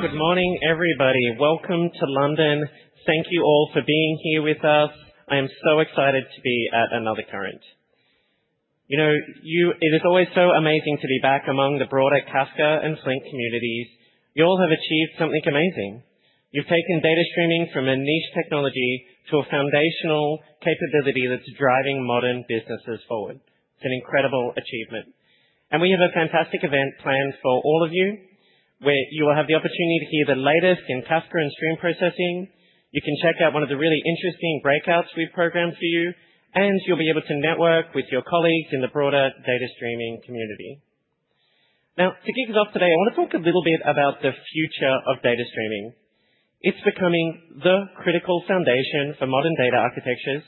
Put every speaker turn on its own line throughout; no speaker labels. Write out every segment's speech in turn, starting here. Good morning, everybody. Welcome to London. Thank you all for being here with us. I am so excited to be at Confluent Current. You know, it is always so amazing to be back among the broader Kafka and Flink communities. You all have achieved something amazing. You've taken data streaming from a niche technology to a foundational capability that's driving modern businesses forward. It's an incredible achievement. And we have a fantastic event planned for all of you, where you will have the opportunity to hear the latest in Kafka and stream processing. You can check out one of the really interesting breakouts we've programmed for you, and you'll be able to network with your colleagues in the broader data streaming community. Now, to kick us off today, I want to talk a little bit about the future of data streaming. It's becoming the critical foundation for modern data architectures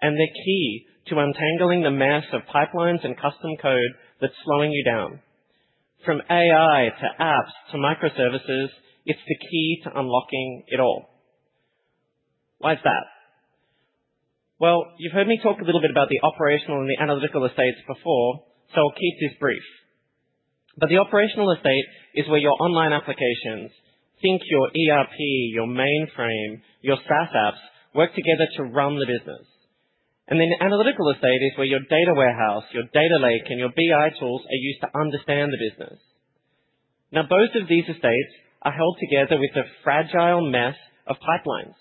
and the key to untangling the mess of pipelines and custom code that's slowing you down. From AI to apps to microservices, it's the key to unlocking it all. Why is that? Well, you've heard me talk a little bit about the operational and the analytical estates before, so I'll keep this brief, but the operational estate is where your online applications, think your ERP, your mainframe, your SaaS apps, work together to run the business, and then the analytical estate is where your data warehouse, your data lake, and your BI tools are used to understand the business. Now, both of these estates are held together with the fragile mess of pipelines.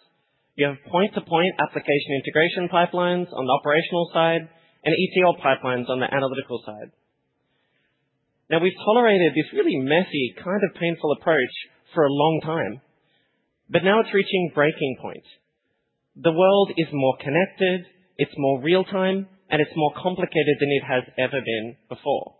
You have point-to-point application integration pipelines on the operational side and ETL pipelines on the analytical side. Now, we've tolerated this really messy, kind of painful approach for a long time, but now it's reaching breaking point. The world is more connected, it's more real-time, and it's more complicated than it has ever been before.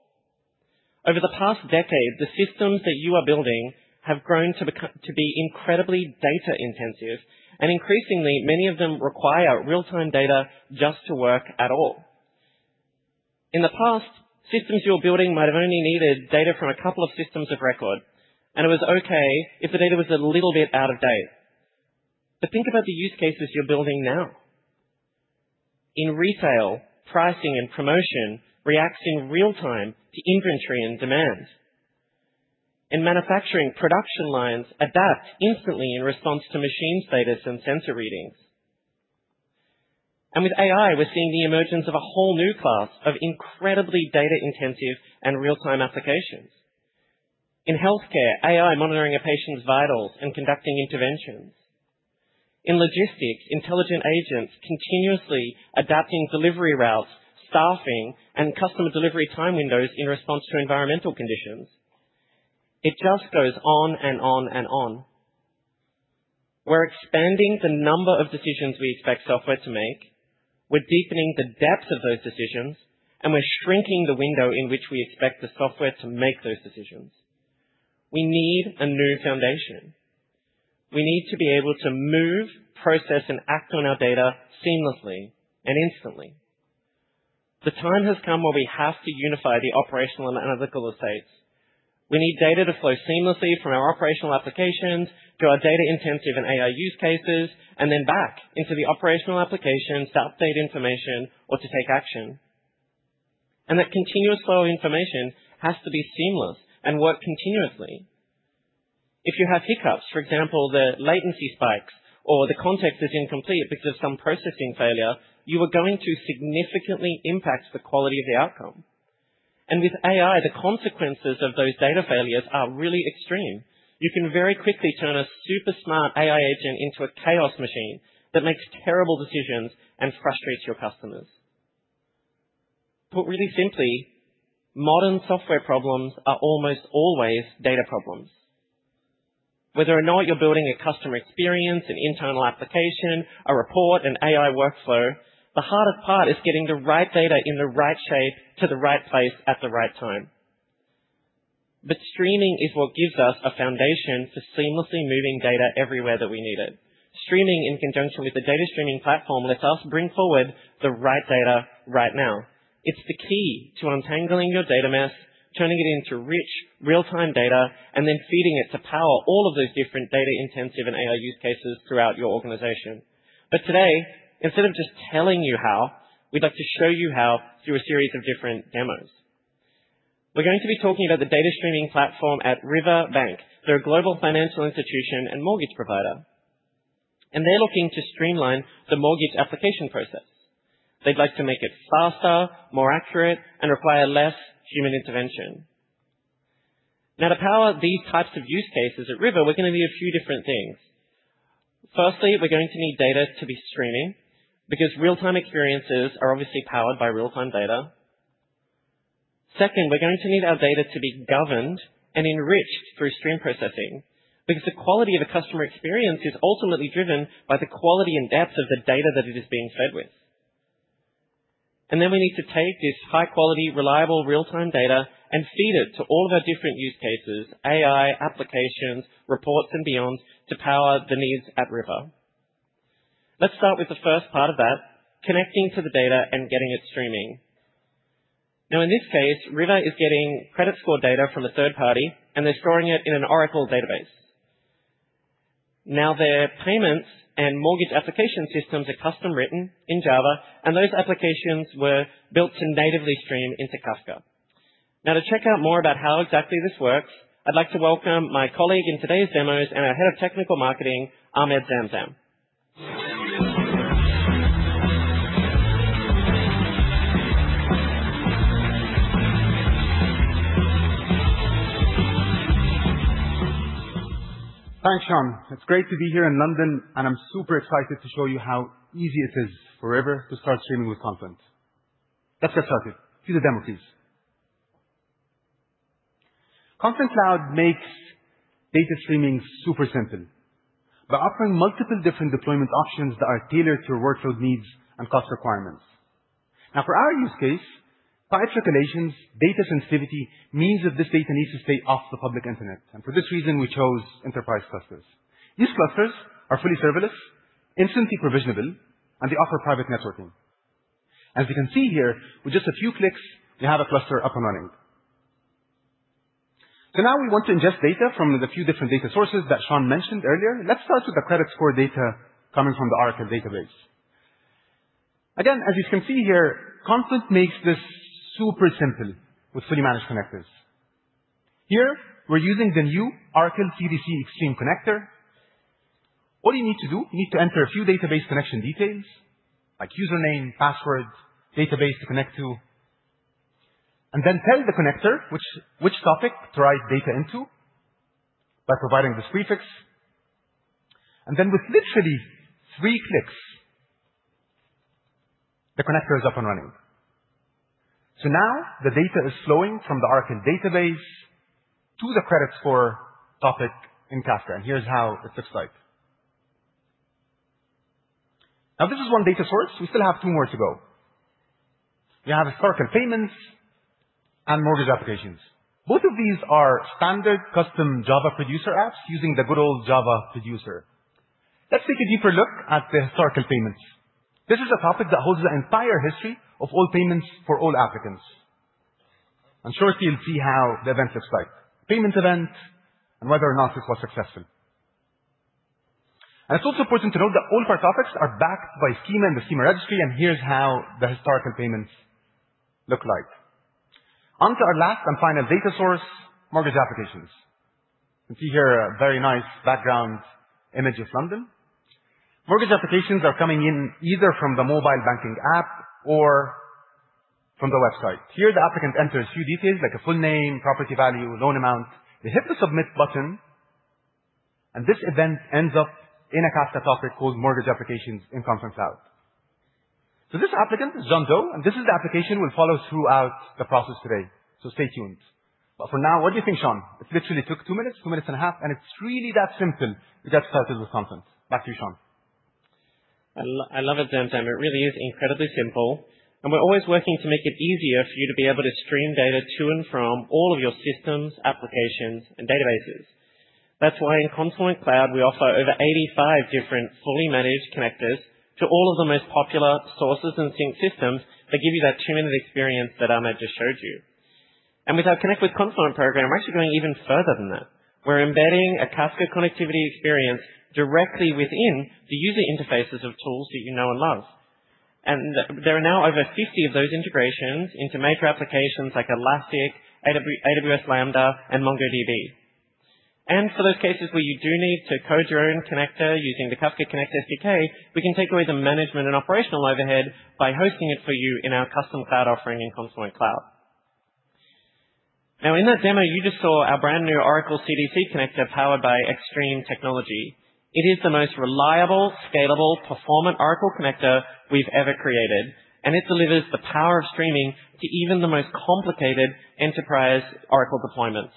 Over the past decade, the systems that you are building have grown to be incredibly data-intensive, and increasingly, many of them require real-time data just to work at all. In the past, systems you were building might have only needed data from a couple of systems of record, and it was OK if the data was a little bit out of date. But think about the use cases you're building now. In retail, pricing and promotion react in real-time to inventory and demand. In manufacturing, production lines adapt instantly in response to machine status and sensor readings. With AI, we're seeing the emergence of a whole new class of incredibly data-intensive and real-time applications. In health care, AI monitoring a patient's vitals and conducting interventions. In logistics, intelligent agents continuously adapting delivery routes, staffing, and customer delivery time windows in response to environmental conditions. It just goes on and on and on. We're expanding the number of decisions we expect software to make. We're deepening the depth of those decisions, and we're shrinking the window in which we expect the software to make those decisions. We need a new foundation. We need to be able to move, process, and act on our data seamlessly and instantly. The time has come where we have to unify the Operational and Analytical Estates. We need data to flow seamlessly from our operational applications to our data-intensive and AI use cases, and then back into the operational applications to update information or to take action, and that continuous flow of information has to be seamless and work continuously. If you have hiccups, for example, the latency spikes or the context is incomplete because of some processing failure, you are going to significantly impact the quality of the outcome, and with AI, the consequences of those data failures are really extreme. You can very quickly turn a super smart AI agent into a chaos machine that makes terrible decisions and frustrates your customers, but really simply, modern software problems are almost always data problems. Whether or not you're building a customer experience, an internal application, a report, an AI workflow, the hardest part is getting the right data in the right shape, to the right place, at the right time, but streaming is what gives us a foundation for seamlessly moving data everywhere that we need it. Streaming, in conjunction with the data streaming platform, lets us bring forward the right data right now. It's the key to untangling your data mess, turning it into rich, real-time data, and then feeding it to power all of those different data-intensive and AI use cases throughout your organization, but today, instead of just telling you how, we'd like to show you how through a series of different demos. We're going to be talking about the data streaming platform at Riverbank, their global financial institution and mortgage provider, and they're looking to streamline the mortgage application process. They'd like to make it faster, more accurate, and require less human intervention. Now, to power these types of use cases at River, we're going to need a few different things. Firstly, we're going to need data to be streaming, because real-time experiences are obviously powered by real-time data. Second, we're going to need our data to be governed and enriched through stream processing, because the quality of a customer experience is ultimately driven by the quality and depth of the data that it is being fed with. And then we need to take this high-quality, reliable, real-time data and feed it to all of our different use cases, AI applications, reports, and beyond to power the needs at River. Let's start with the first part of that, connecting to the data and getting it streaming. Now, in this case, River is getting credit score data from a third party, and they're storing it in an Oracle database. Now, their payments and mortgage application systems are custom written in Java, and those applications were built to natively stream into Kafka. Now, to check out more about how exactly this works, I'd like to welcome my colleague in today's demos and our head of technical marketing, Ahmed Zamzam.
Thanks, Shaun. It's great to be here in London, and I'm super excited to show you how easy it is for River to start streaming with Confluent. Let's get started. See the demo, please. Confluent Claude makes data streaming super simple by offering multiple different deployment options that are tailored to your workload needs and cost requirements. Now, for our use case, for our calculations, data sensitivity means that this data needs to stay off the public internet. And for this reason, we chose enterprise clusters. These clusters are fully serverless, instantly provisionable, and they offer private networking. As you can see here, with just a few clicks, we have a cluster up and running. So now we want to ingest data from the few different data sources that Shaun mentioned earlier. Let's start with the credit score data coming from the Oracle database. Again, as you can see here, Confluent makes this super simple with fully managed connectors. Here, we're using the new Oracle CDC XStream connector. All you need to do, you need to enter a few database connection details, like username, password, database to connect to, and then tell the connector which topic to write data into by providing this prefix, and then with literally three clicks, the connector is up and running, so now the data is flowing from the Oracle database to the credit score topic in Kafka, and here's how it looks like. Now, this is one data source. We still have two more to go. We have historical payments and mortgage applications. Both of these are standard custom Java producer apps using the good old Java producer. Let's take a deeper look at the historical payments. This is a topic that holds the entire history of all payments for all applicants. And shortly, you'll see how the event looks like, payments event, and whether or not it was successful. And it's also important to note that all of our topics are backed by schema in the Schema Registry, and here's how the historical payments look like. On to our last and final data source, mortgage applications. You can see here a very nice background image of London. Mortgage applications are coming in either from the mobile banking app or from the website. Here, the applicant enters a few details, like a full name, property value, loan amount. They hit the submit button, and this event ends up in a Kafka topic called mortgage applications in Confluent Cloud. So this applicant is John Doe, and this is the application we'll follow throughout the process today. Stay tuned. For now, what do you think, Shaun? It literally took two minutes, two minutes and a half, and it's really that simple. We got started with Confluent. Back to you, Shaun.
I love it, Zamzam. It really is incredibly simple, and we're always working to make it easier for you to be able to stream data to and from all of your systems, applications, and databases. That's why in Confluent Cloud, we offer over 85 different fully managed connectors to all of the most popular sources and sync systems that give you that two-minute experience that Ahmed just showed you, and with our Connect with Confluent program, we're actually going even further than that. We're embedding a Kafka connectivity experience directly within the user interfaces of tools that you know and love, and there are now over 50 of those integrations into major applications like Elastic, AWS Lambda, and MongoDB. And for those cases where you do need to code your own connector using the Kafka Connect SDK, we can take away the management and operational overhead by hosting it for you in our custom cloud offering in Confluent Cloud. Now, in that demo, you just saw our brand new Oracle CDC connector powered by XStream Technology. It is the most reliable, scalable, performant Oracle connector we've ever created. And it delivers the power of streaming to even the most complicated enterprise Oracle deployments.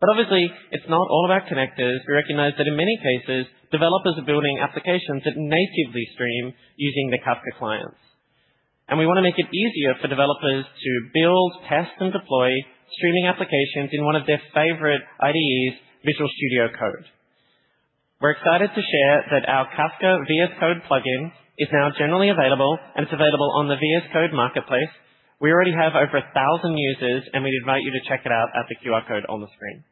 But obviously, it's not all about connectors. We recognize that in many cases, developers are building applications that natively stream using the Kafka clients. And we want to make it easier for developers to build, test, and deploy streaming applications in one of their favorite IDEs, Visual Studio Code. We're excited to share that our Kafka VS Code plugin is now generally available, and it's available on the VS Code Marketplace. We already have over 1,000 users, and we'd invite you to check it out at the QR code on the screen.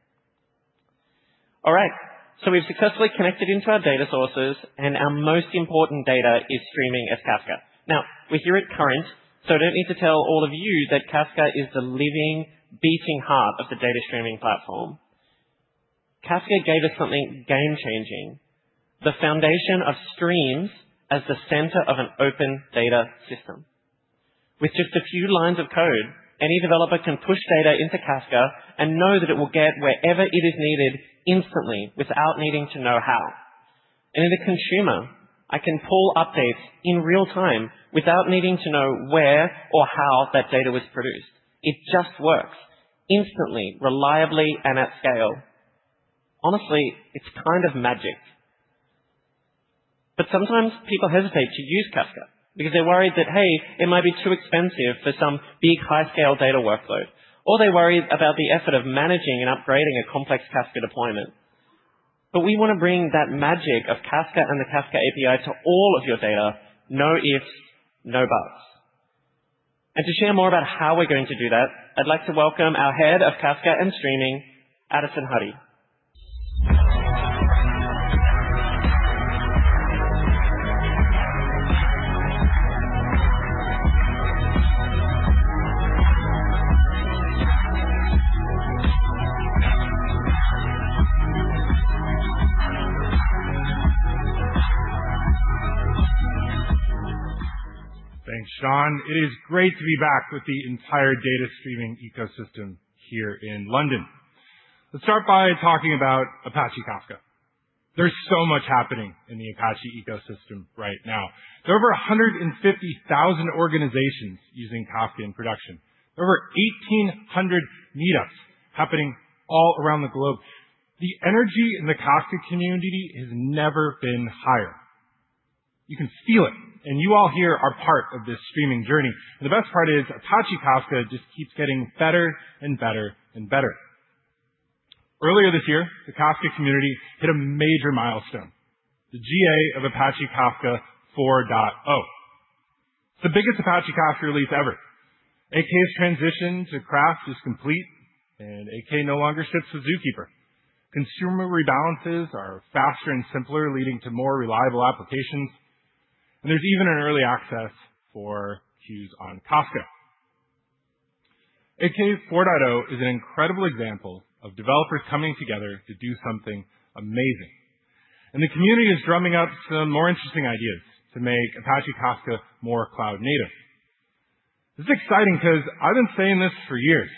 All right, so we've successfully connected into our data sources, and our most important data is streaming as Kafka. Now, we're here at Confluent, so I don't need to tell all of you that Kafka is the living, beating heart of the data streaming platform. Kafka gave us something game-changing, the foundation of streams as the center of an open data system. With just a few lines of code, any developer can push data into Kafka and know that it will get wherever it is needed instantly, without needing to know how. In the consumer, I can pull updates in real time without needing to know where or how that data was produced. It just works instantly, reliably, and at scale. Honestly, it's kind of magic. Sometimes, people hesitate to use Kafka because they're worried that, hey, it might be too expensive for some big, high-scale data workload. Or they worry about the effort of managing and upgrading a complex Kafka deployment. We want to bring that magic of Kafka and the Kafka API to all of your data, no ifs, no buts. To share more about how we're going to do that, I'd like to welcome our head of Kafka and streaming, Addison Huddy.
Thanks, Shaun. It is great to be back with the entire data streaming ecosystem here in London. Let's start by talking about Apache Kafka. There's so much happening in the Apache ecosystem right now. There are over 150,000 organizations using Kafka in production. There are over 1,800 meetups happening all around the globe. The energy in the Kafka community has never been higher. You can feel it, and you all here are part of this streaming journey, and the best part is Apache Kafka just keeps getting better and better and better. Earlier this year, the Kafka community hit a major milestone, the GA of Apache Kafka 4.0. It's the biggest Apache Kafka release ever. AK's transition to KRaft is complete, and AK no longer ships with Zookeeper. Consumer rebalances are faster and simpler, leading to more reliable applications, and there's even an early access for queues on Kafka. Kafka 4.0 is an incredible example of developers coming together to do something amazing, and the community is drumming up some more interesting ideas to make Apache Kafka more cloud-native. This is exciting because I've been saying this for years,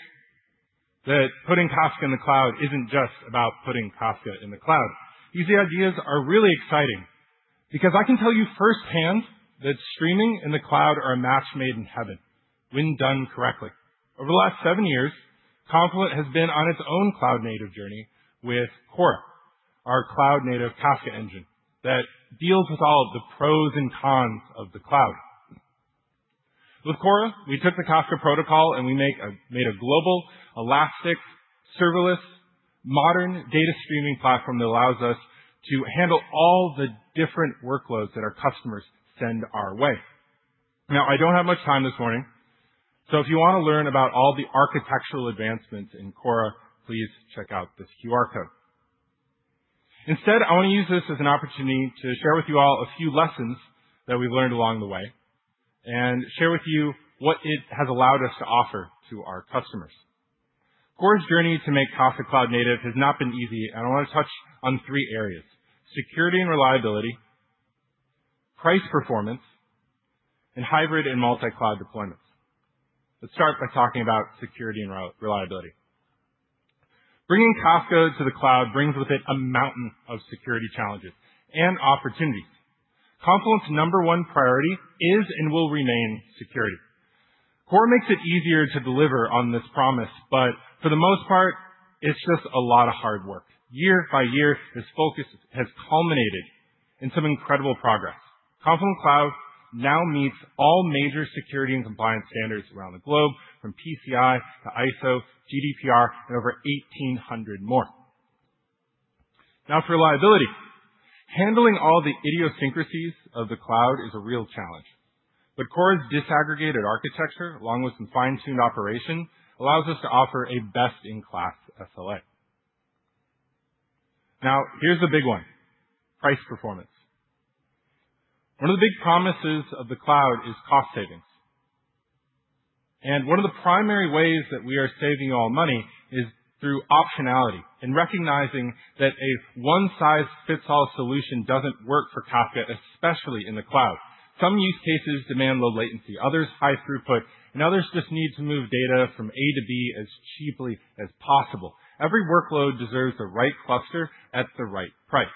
that putting Kafka in the cloud isn't just about putting Kafka in the cloud. These ideas are really exciting because I can tell you firsthand that streaming in the cloud are a match made in heaven when done correctly. Over the last seven years, Confluent has been on its own cloud-native journey with Kora, our cloud-native Kafka engine that deals with all of the pros and cons of the cloud. With Kora, we took the Kafka protocol, and we made a global, elastic, serverless, modern data streaming platform that allows us to handle all the different workloads that our customers send our way. Now, I don't have much time this morning, so if you want to learn about all the architectural advancements in Kora, please check out this QR code. Instead, I want to use this as an opportunity to share with you all a few lessons that we've learned along the way and share with you what it has allowed us to offer to our customers. Kora's journey to make Kafka cloud-native has not been easy, and I want to touch on three areas: security and reliability, price performance, and hybrid and multi-cloud deployments. Let's start by talking about security and reliability. Bringing Kafka to the cloud brings with it a mountain of security challenges and opportunities. Confluent's number one priority is and will remain security. Kora makes it easier to deliver on this promise, but for the most part, it's just a lot of hard work. Year by year, this focus has culminated in some incredible progress. Confluent Cloud now meets all major security and compliance standards around the globe, from PCI to ISO, GDPR, and over 1,800 more. Now, for reliability, handling all the idiosyncrasies of the cloud is a real challenge, but Kora's disaggregated architecture, along with some fine-tuned operation, allows us to offer a best-in-class SLA. Now, here's the big one: price performance. One of the big promises of the cloud is cost savings, and one of the primary ways that we are saving you all money is through optionality and recognizing that a one-size-fits-all solution doesn't work for Kafka, especially in the cloud. Some use cases demand low latency, others high throughput, and others just need to move data from A to B as cheaply as possible. Every workload deserves the right cluster at the right price.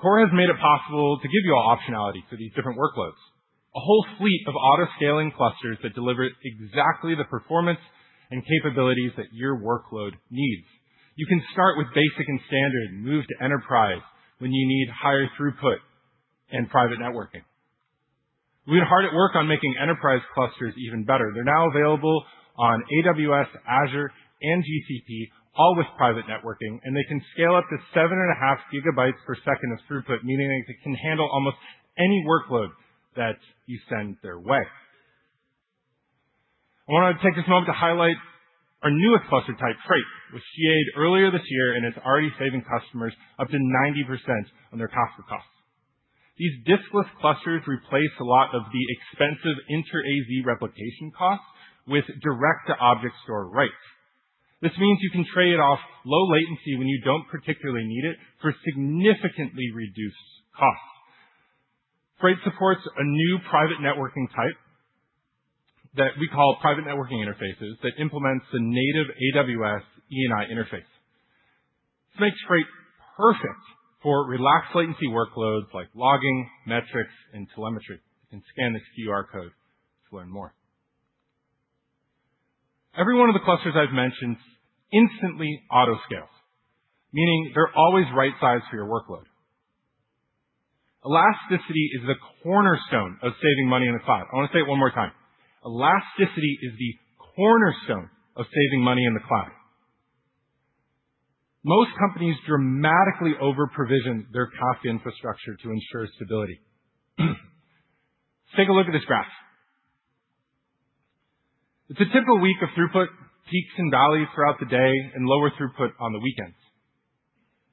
Kora has made it possible to give you all optionality for these different workloads, a whole fleet of autoscaling clusters that deliver exactly the performance and capabilities that your workload needs. You can start with basic and standard, move to enterprise when you need higher throughput and private networking. We've been hard at work on making enterprise clusters even better. They're now available on AWS, Azure, and GCP, all with private networking, and they can scale up to 7.5 gigabytes per second of throughput, meaning they can handle almost any workload that you send their way. I want to take this moment to highlight our newest cluster, Freight, which we shipped earlier this year, and it's already saving customers up to 90% on their Kafka costs. These diskless clusters replace a lot of the expensive inter-AZ replication costs with direct-to-object store writes. This means you can trade off low latency when you don't particularly need it for significantly reduced costs. Freight supports a new private networking type that we call private networking interfaces that implements the native AWS ENI interface. This makes Freight perfect for relaxed latency workloads like logging, metrics, and telemetry. You can scan this QR code to learn more. Every one of the clusters I've mentioned instantly autoscales, meaning they're always right size for your workload. Elasticity is the cornerstone of saving money in the cloud. I want to say it one more time. Elasticity is the cornerstone of saving money in the cloud. Most companies dramatically over-provision their Kafka infrastructure to ensure stability. Let's take a look at this graph. It's a typical week of throughput, peaks and valleys throughout the day, and lower throughput on the weekends.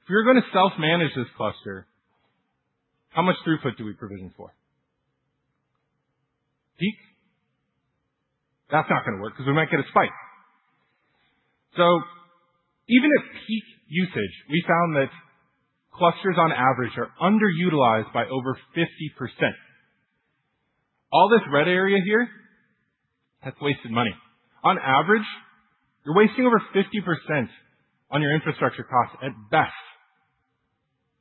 If we were going to self-manage this cluster, how much throughput do we provision for? Peak? That's not going to work because we might get a spike. So even at peak usage, we found that clusters, on average, are underutilized by over 50%. All this red area here, that's wasted money. On average, you're wasting over 50% on your infrastructure costs at best.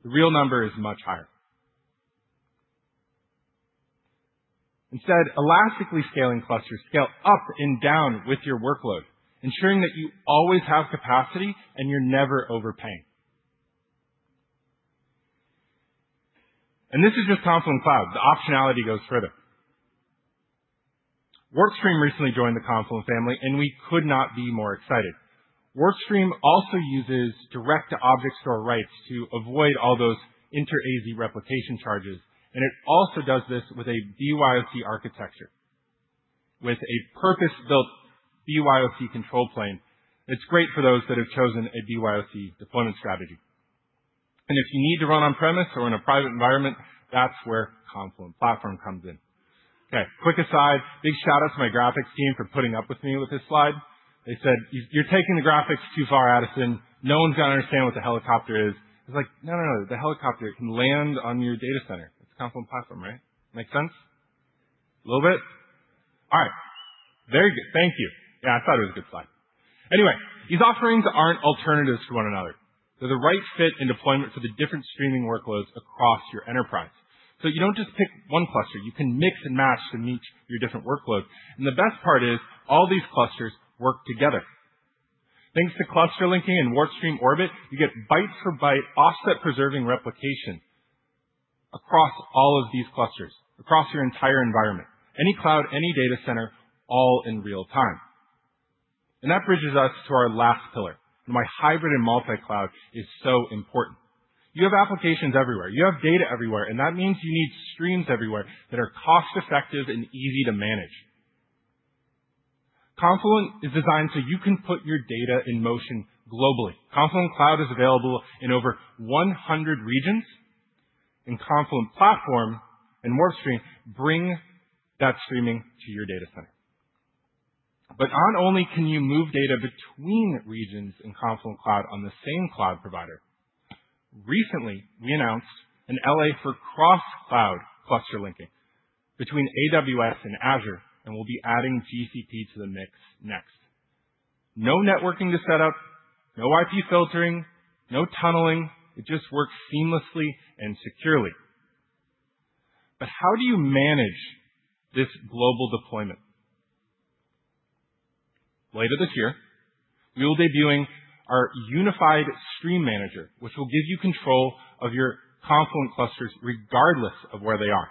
The real number is much higher. Instead, elastically scaling clusters scale up and down with your workload, ensuring that you always have capacity and you're never overpaying. And this is just Confluent Cloud. The optionality goes further. WarpStream recently joined the Confluent family, and we could not be more excited. WarpStream also uses direct-to-object store writes to avoid all those inter-AZ replication charges. It also does this with a BYOC architecture, with a purpose-built BYOC control plane that's great for those that have chosen a BYOC deployment strategy. If you need to run on-premise or in a private environment, that's where Confluent Platform comes in. OK, quick aside, big shout-out to my graphics team for putting up with me with this slide. They said, "You're taking the graphics too far, Addison. No one's going to understand what the helicopter is." I was like, "No, no, no. The helicopter can land on your data center. It's Confluent Platform, right? Makes sense? A little bit? All right. Very good. Thank you. Yeah, I thought it was a good slide." Anyway, these offerings aren't alternatives to one another. They're the right fit and deployment for the different streaming workloads across your enterprise. You don't just pick one cluster. You can mix and match to meet your different workloads. And the best part is all these clusters work together. Thanks to cluster linking and WarpStream Orbit, you get byte-for-byte offset-preserving replication across all of these clusters, across your entire environment, any cloud, any data center, all in real time. And that bridges us to our last pillar, and why hybrid and multi-cloud is so important. You have applications everywhere. You have data everywhere. And that means you need streams everywhere that are cost-effective and easy to manage. Confluent is designed so you can put your data in motion globally. Confluent Cloud is available in over 100 regions, and Confluent Platform and WarpStream bring that streaming to your data center. But not only can you move data between regions in Confluent Cloud on the same cloud provider. Recently, we announced an API for cross-cloud cluster linking between AWS and Azure, and we'll be adding GCP to the mix next. No networking to set up, no IP filtering, no tunneling. It just works seamlessly and securely. But how do you manage this global deployment? Later this year, we will be debuting our unified stream manager, which will give you control of your Confluent clusters regardless of where they are.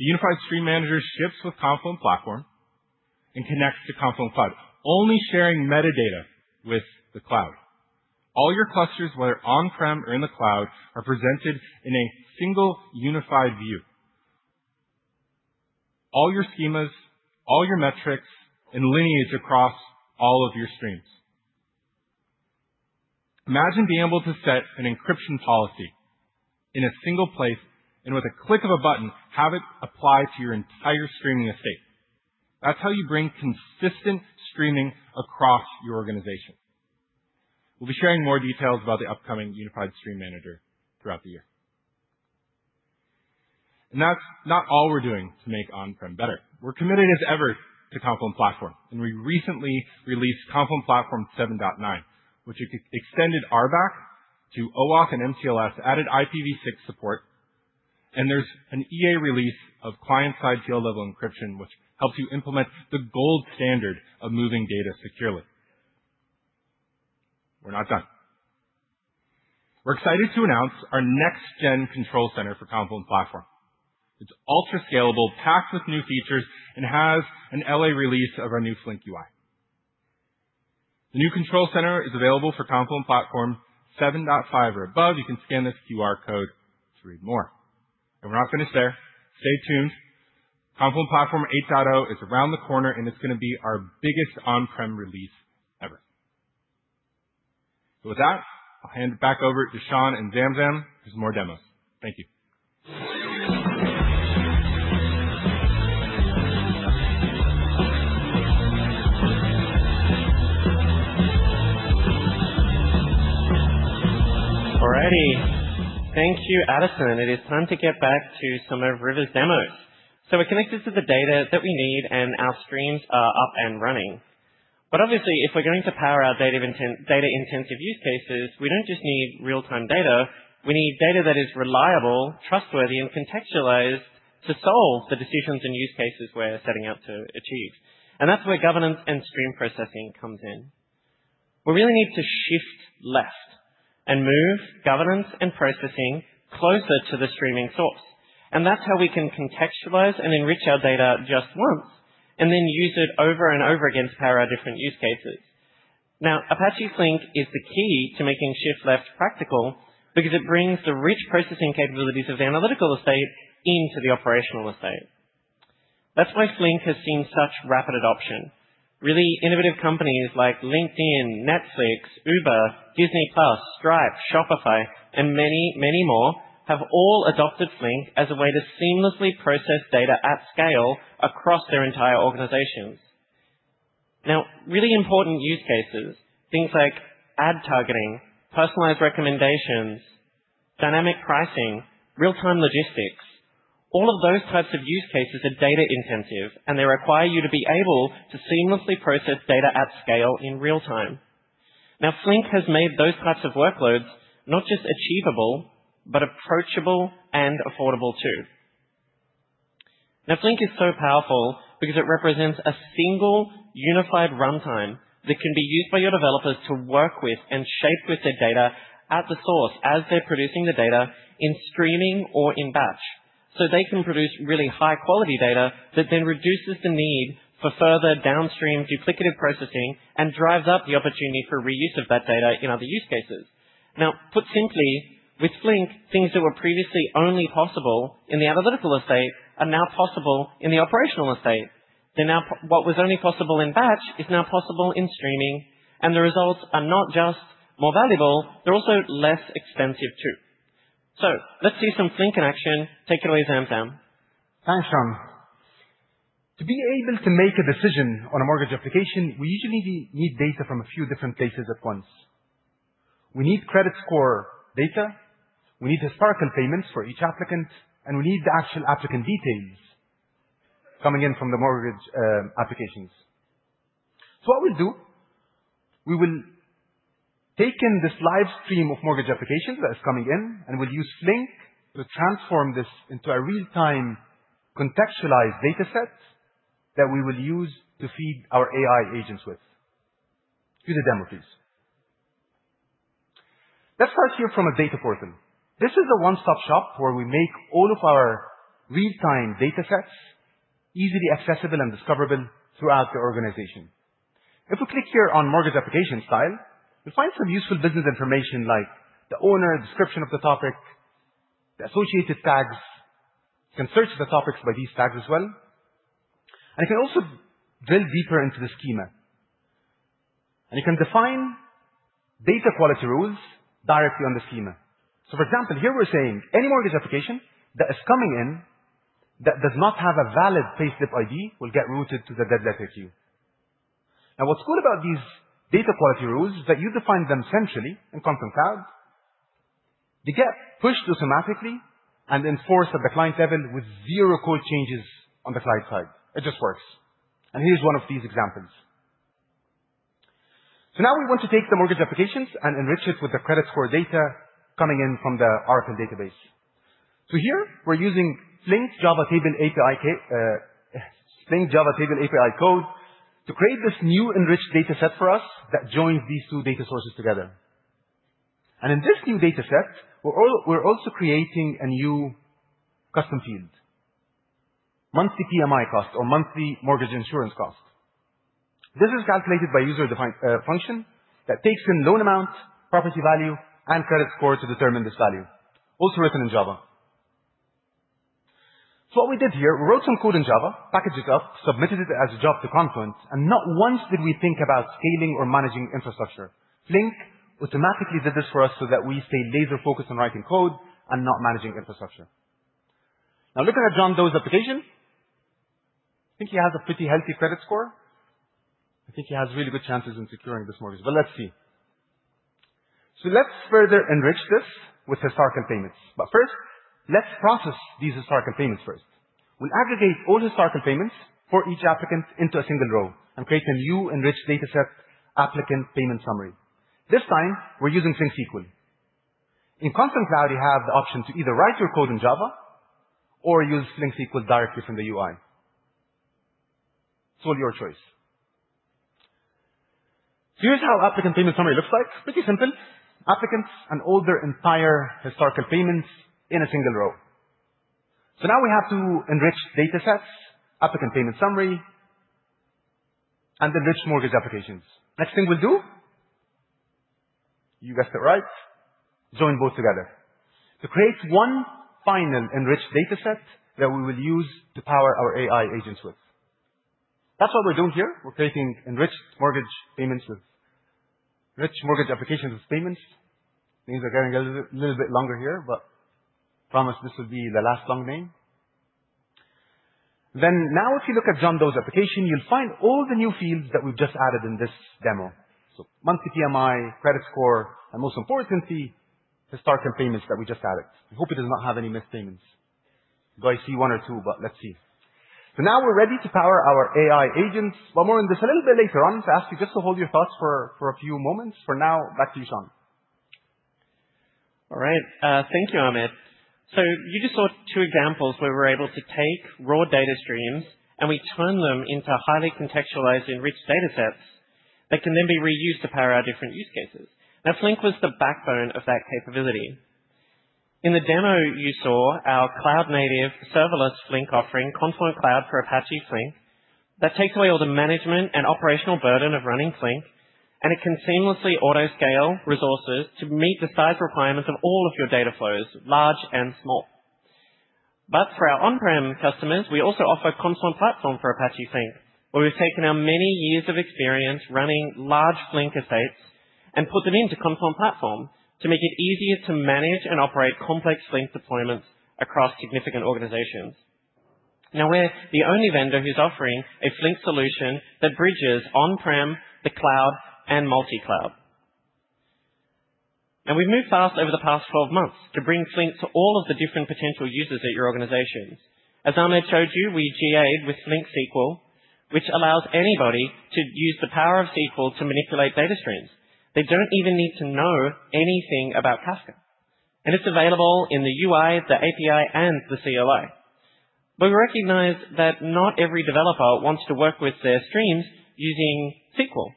The Unified Stream Manager ships with Confluent Platform and connects to Confluent Cloud, only sharing metadata with the cloud. All your clusters, whether on-prem or in the cloud, are presented in a single unified view. All your schemas, all your metrics, and lineage across all of your streams. Imagine being able to set an encryption policy in a single place and, with a click of a button, have it apply to your entire streaming estate. That's how you bring consistent streaming across your organization. We'll be sharing more details about the upcoming unified stream manager throughout the year. And that's not all we're doing to make on-prem better. We're committed as ever to Confluent Platform. And we recently released Confluent Platform 7.9, which extended RBAC to OAuth and mTLS, added IPv6 support, and there's an EA release of client-side field-level encryption, which helps you implement the gold standard of moving data securely. We're not done. We're excited to announce our next-gen control center for Confluent Platform. It's ultra-scalable, packed with new features, and has an LA release of our new Flink UI. The new Control Center is available for Confluent Platform 7.5 or above. You can scan this QR code to read more. And we're not finished there. Stay tuned. Confluent Platform 8.0 is around the corner, and it's going to be our biggest on-prem release ever. So with that, I'll hand it back over to Sean and Zamzam for some more demos. Thank you.
All righty. Thank you, Addison. It is time to get back to some of Rivers' demos. So we're connected to the data that we need, and our streams are up and running. But obviously, if we're going to power our data-intensive use cases, we don't just need real-time data. We need data that is reliable, trustworthy, and contextualized to solve the decisions and use cases we're setting out to achieve. And that's where governance and stream processing comes in. We really need to shift left and move governance and processing closer to the streaming source. And that's how we can contextualize and enrich our data just once and then use it over and over again to power our different use cases. Now, Apache Flink is the key to making Shift Left practical because it brings the rich processing capabilities of the Analytical Estate into the Operational Estate. That's why Flink has seen such rapid adoption. Really innovative companies like LinkedIn, Netflix, Uber, Disney+, Stripe, Shopify, and many, many more have all adopted Flink as a way to seamlessly process data at scale across their entire organizations. Now, really important use cases, things like ad targeting, personalized recommendations, dynamic pricing, real-time logistics, all of those types of use cases are data-intensive, and they require you to be able to seamlessly process data at scale in real time. Now, Flink has made those types of workloads not just achievable, but approachable and affordable too. Now, Flink is so powerful because it represents a single unified runtime that can be used by your developers to work with and shape with their data at the source as they're producing the data in streaming or in batch, so they can produce really high-quality data that then reduces the need for further downstream duplicative processing and drives up the opportunity for reuse of that data in other use cases. Now, put simply, with Flink, things that were previously only possible in the analytical estate are now possible in the operational estate. What was only possible in batch is now possible in streaming, and the results are not just more valuable, they're also less expensive too, so let's see some Flink in action. Take it away, Zamzam.
Thanks, Shaun. To be able to make a decision on a mortgage application, we usually need data from a few different places at once. We need credit score data. We need historical payments for each applicant. And we need the actual applicant details coming in from the mortgage applications. So what we'll do, we will take in this live stream of mortgage applications that is coming in, and we'll use Flink to transform this into a real-time contextualized data set that we will use to feed our AI agents with. Do the demo, please. Let's start here from a data portal. This is a one-stop shop where we make all of our real-time data sets easily accessible and discoverable throughout the organization. If we click here on mortgage application stream, you'll find some useful business information like the owner, description of the topic, the associated tags. You can search the topics by these tags as well. And you can also drill deeper into the schema. And you can define data quality rules directly on the schema. So for example, here we're saying any mortgage application that is coming in that does not have a valid payslip ID will get routed to the dead letter queue. Now, what's cool about these data quality rules is that you define them centrally in Confluent Cloud. They get pushed automatically and enforced at the client level with zero code changes on the client side. It just works. And here's one of these examples. So now we want to take the mortgage applications and enrich it with the credit score data coming in from the Oracle database. So here, we're using Flink Java Table API code to create this new enriched data set for us that joins these two data sources together. And in this new data set, we're also creating a new custom field: monthly PMI cost or monthly mortgage insurance cost. This is calculated by a user-defined function that takes in loan amount, property value, and credit score to determine this value, also written in Java. So what we did here, we wrote some code in Java, packaged it up, submitted it as a job to Confluent. And not once did we think about scaling or managing infrastructure. Flink automatically did this for us so that we stay laser-focused on writing code and not managing infrastructure. Now, looking at John Doe's application, I think he has a pretty healthy credit score. I think he has really good chances in securing this mortgage. But let's see. So let's further enrich this with historical payments. But first, let's process these historical payments first. We'll aggregate all historical payments for each applicant into a single row and create a new enriched data set applicant payment summary. This time, we're using Flink SQL. In Confluent Cloud, you have the option to either write your code in Java or use Flink SQL directly from the UI. It's all your choice. So here's how applicant payment summary looks like. Pretty simple. Applicants and all their entire historical payments in a single row. So now we have to enrich data sets, applicant payment summary, and enrich mortgage applications. Next thing we'll do, you guessed it right, join both together to create one final enriched data set that we will use to power our AI agents with. That's what we're doing here. We're creating enriched mortgage payments with rich mortgage applications with payments. Names are getting a little bit longer here, but I promise this will be the last long name. Then now, if you look at John Doe's application, you'll find all the new fields that we've just added in this demo. So monthly PMI, credit score, and most importantly, historical payments that we just added. I hope it does not have any missed payments. Do I see one or two? But let's see. So now we're ready to power our AI agents. But more on this a little bit later on. So I ask you just to hold your thoughts for a few moments. For now, back to you, Shaun.
All right. Thank you, Amit. So you just saw two examples where we were able to take raw data streams, and we turned them into highly contextualized, enriched data sets that can then be reused to power our different use cases. Now, Flink was the backbone of that capability. In the demo you saw, our cloud-native serverless Flink offering, Confluent Cloud for Apache Flink, that takes away all the management and operational burden of running Flink. And it can seamlessly autoscale resources to meet the size requirements of all of your data flows, large and small. But for our on-prem customers, we also offer Confluent Platform for Apache Flink, where we've taken our many years of experience running large Flink estates and put them into Confluent Platform to make it easier to manage and operate complex Flink deployments across significant organizations. Now, we're the only vendor who's offering a Flink solution that bridges on-prem, the cloud, and multi-cloud. And we've moved fast over the past 12 months to bring Flink to all of the different potential users at your organizations. As Amit showed you, we GAed with Flink SQL, which allows anybody to use the power of SQL to manipulate data streams. They don't even need to know anything about Kafka. And it's available in the UI, the API, and the CLI. But we recognize that not every developer wants to work with their streams using SQL.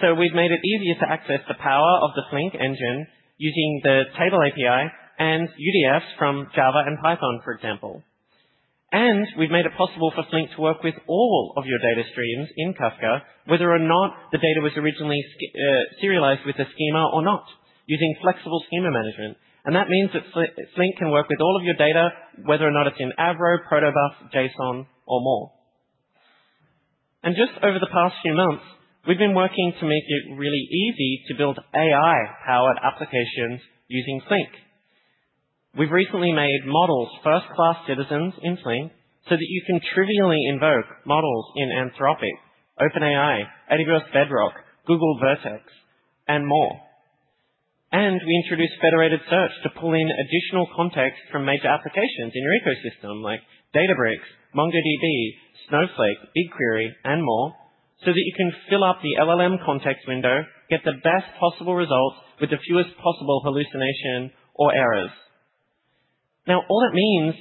So we've made it easier to access the power of the Flink engine using the Table API and UDFs from Java and Python, for example. And we've made it possible for Flink to work with all of your data streams in Kafka, whether or not the data was originally serialized with a schema or not, using flexible schema management. And that means that Flink can work with all of your data, whether or not it's in Avro, Protobuf, JSON, or more. And just over the past few months, we've been working to make it really easy to build AI-powered applications using Flink. We've recently made models first-class citizens in Flink so that you can trivially invoke models in Anthropic, OpenAI, AWS Bedrock, Google Vertex, and more. And we introduced federated search to pull in additional context from major applications in your ecosystem, like Databricks, MongoDB, Snowflake, BigQuery, and more, so that you can fill up the LLM context window, get the best possible results with the fewest possible hallucination or errors. Now, all that means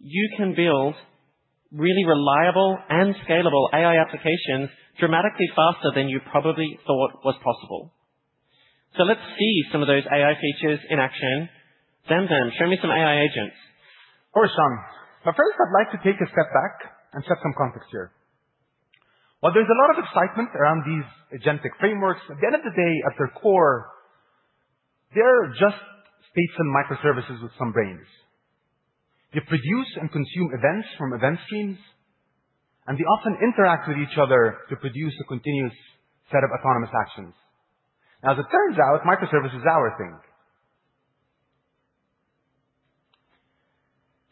you can build really reliable and scalable AI applications dramatically faster than you probably thought was possible. So let's see some of those AI features in action. Zamzam, show me some AI agents.
All right, Shaun. But first, I'd like to take a step back and set some context here. While there's a lot of excitement around these agentic frameworks, at the end of the day, at their core, they're just states and microservices with some brains. They produce and consume events from event streams, and they often interact with each other to produce a continuous set of autonomous actions. Now, as it turns out, microservice is our thing.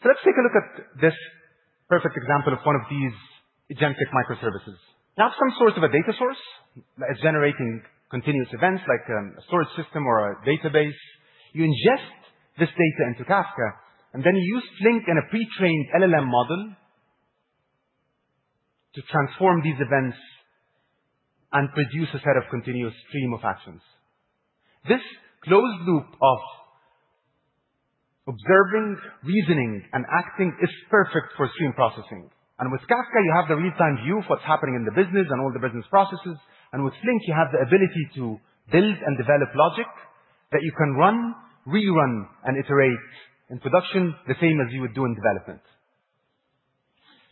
So let's take a look at this perfect example of one of these agentic microservices. You have some sort of a data source that is generating continuous events, like a storage system or a database. You ingest this data into Kafka, and then you use Flink and a pre-trained LLM model to transform these events and produce a set of continuous stream of actions. This closed loop of observing, reasoning, and acting is perfect for stream processing. With Kafka, you have the real-time view of what's happening in the business and all the business processes. With Flink, you have the ability to build and develop logic that you can run, rerun, and iterate in production the same as you would do in development.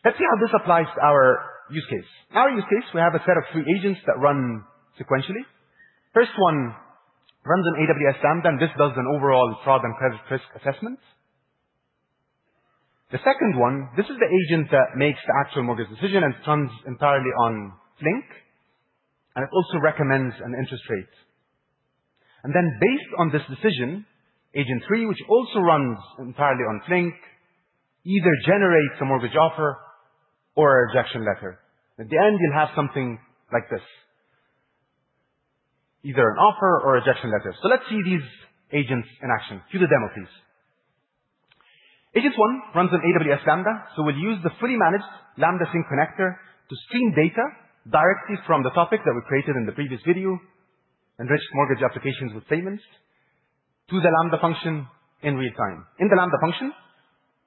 Let's see how this applies to our use case. In our use case, we have a set of three agents that run sequentially. First one runs an AWS Lambda, and this does an overall fraud and credit risk assessment. The second one, this is the agent that makes the actual mortgage decision and runs entirely on Flink. And it also recommends an interest rate. And then, based on this decision, agent three, which also runs entirely on Flink, either generates a mortgage offer or a rejection letter. At the end, you'll have something like this, either an offer or a rejection letter. So let's see these agents in action. Do the demo, please. Agent one runs an AWS Lambda. So we'll use the fully managed Lambda sink connector to stream data directly from the topic that we created in the previous video, enriched mortgage applications with payments, to the Lambda function in real time. In the Lambda function,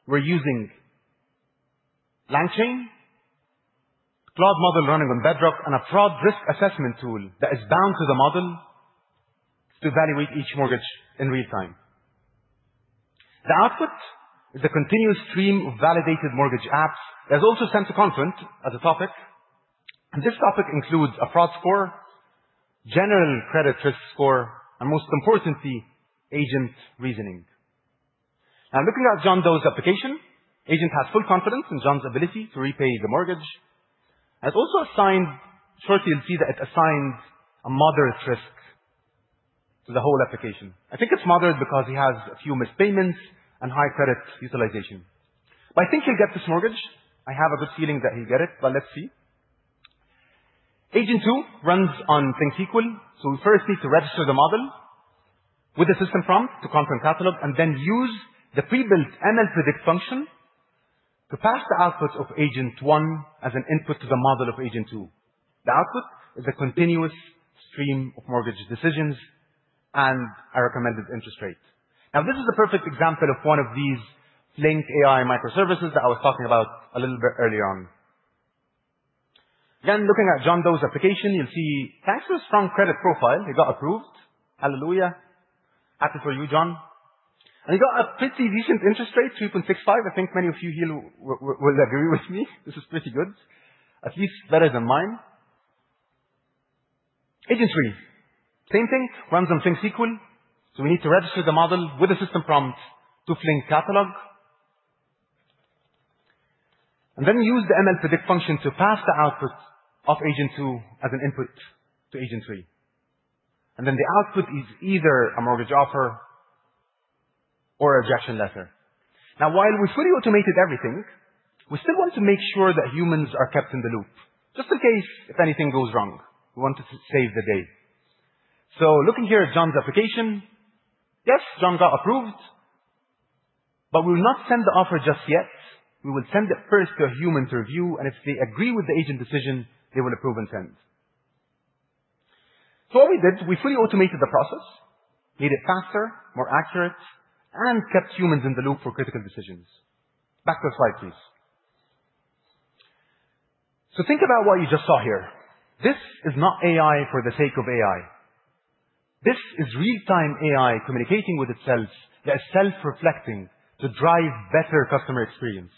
we're using LangChain, Claude model running on Bedrock, and a fraud risk assessment tool that is bound to the model to evaluate each mortgage in real time. The output is a continuous stream of validated mortgage apps that is also sent to Confluent as a topic. And this topic includes a fraud score, general credit risk score, and most importantly, agent reasoning. Now, looking at John Doe's application, agent has full confidence in John's ability to repay the mortgage. It's also assigned shortly. You'll see that it assigns a moderate risk to the whole application. I think it's moderate because he has a few missed payments and high credit utilization. But I think he'll get this mortgage. I have a good feeling that he'll get it. But let's see. Agent two runs on Flink SQL. So we first need to register the model with the system prompt to Confluent Catalog and then use the pre-built ML Predict function to pass the output of agent one as an input to the model of agent two. The output is a continuous stream of mortgage decisions and a recommended interest rate. Now, this is a perfect example of one of these Flink AI microservices that I was talking about a little bit earlier on. Again, looking at John Doe's application, you'll see thanks to a strong credit profile, he got approved. Hallelujah. Happy for you, John, and he got a pretty decent interest rate, 3.65%. I think many of you here will agree with me. This is pretty good, at least better than mine. Agent three, same thing, runs on Flink SQL, so we need to register the model with a system prompt to Flink Catalog, and then use the ML Predict function to pass the output of agent two as an input to agent three, and then the output is either a mortgage offer or a rejection letter. Now, while we fully automated everything, we still want to make sure that humans are kept in the loop, just in case if anything goes wrong. We want to save the day, so looking here at John's application, yes, John got approved, but we will not send the offer just yet. We will send it first to a human to review. And if they agree with the agent decision, they will approve and send. So what we did, we fully automated the process, made it faster, more accurate, and kept humans in the loop for critical decisions. Back to the slide, please. So think about what you just saw here. This is not AI for the sake of AI. This is real-time AI communicating with itself that is self-reflecting to drive better customer experience.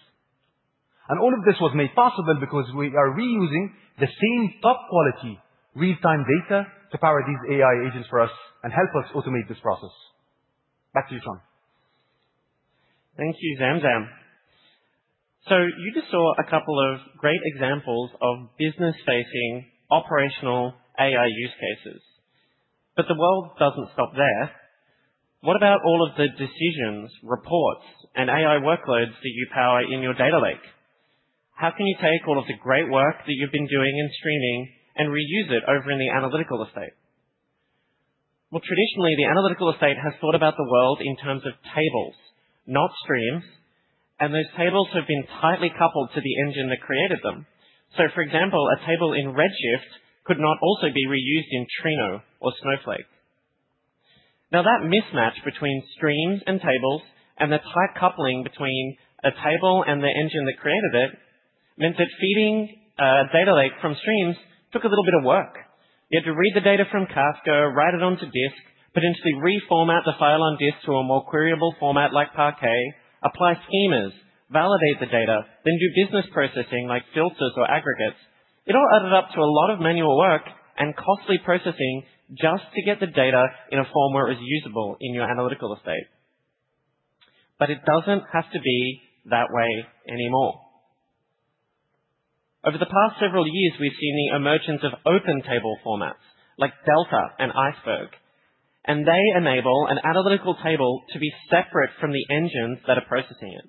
And all of this was made possible because we are reusing the same top-quality real-time data to power these AI agents for us and help us automate this process. Back to you, Shaun.
Thank you, Zamzam. So you just saw a couple of great examples of business-facing operational AI use cases. But the world doesn't stop there. What about all of the decisions, reports, and AI workloads that you power in your data lake? How can you take all of the great work that you've been doing in streaming and reuse it over in the Analytical Estate? Well, traditionally, the Analytical Estate has thought about the world in terms of tables, not streams. And those tables have been tightly coupled to the engine that created them. So, for example, a table in Redshift could not also be reused in Trino or Snowflake. Now, that mismatch between streams and tables and the tight coupling between a table and the engine that created it meant that feeding a Data Lake from streams took a little bit of work. You had to read the data from Kafka, write it onto disk, potentially reformat the file on disk to a more queryable format like Parquet, apply schemas, validate the data, then do business processing like filters or aggregates. It all added up to a lot of manual work and costly processing just to get the data in a form where it was usable in your analytical estate. But it doesn't have to be that way anymore. Over the past several years, we've seen the emergence of open table formats like Delta and Iceberg. And they enable an analytical table to be separate from the engines that are processing it.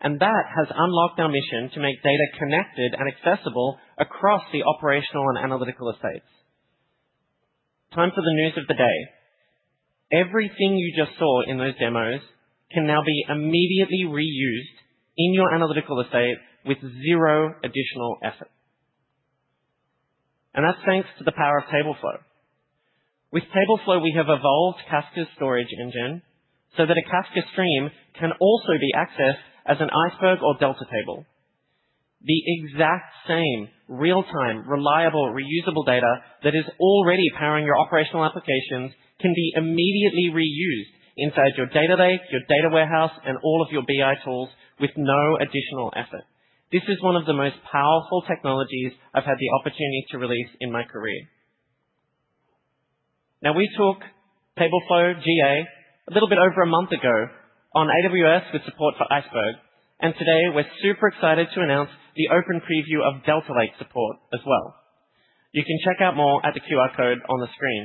And that has unlocked our mission to make data connected and accessible across the operational and analytical estates. Time for the news of the day. Everything you just saw in those demos can now be immediately reused in your analytical estate with zero additional effort. And that's thanks to the power of Tableflow. With Tableflow, we have evolved Kafka's storage engine so that a Kafka stream can also be accessed as an Iceberg or Delta table. The exact same real-time, reliable, reusable data that is already powering your operational applications can be immediately reused inside your data lake, your data warehouse, and all of your BI tools with no additional effort. This is one of the most powerful technologies I've had the opportunity to release in my career. Now, we took TableFlow GA a little bit over a month ago on AWS with support for Iceberg. And today, we're super excited to announce the open preview of Delta Lake support as well. You can check out more at the QR code on the screen.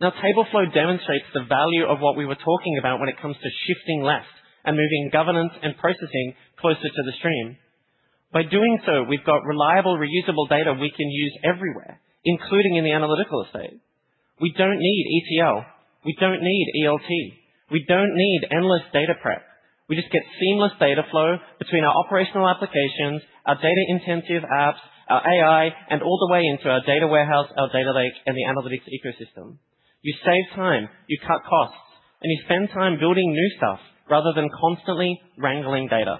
Now, TableFlow demonstrates the value of what we were talking about when it comes to shifting left and moving governance and processing closer to the stream. By doing so, we've got reliable, reusable data we can use everywhere, including in the analytical estate. We don't need ETL. We don't need ELT. We don't need endless data prep. We just get seamless data flow between our operational applications, our data-intensive apps, our AI, and all the way into our data warehouse, our data lake, and the analytics ecosystem. You save time. You cut costs. And you spend time building new stuff rather than constantly wrangling data.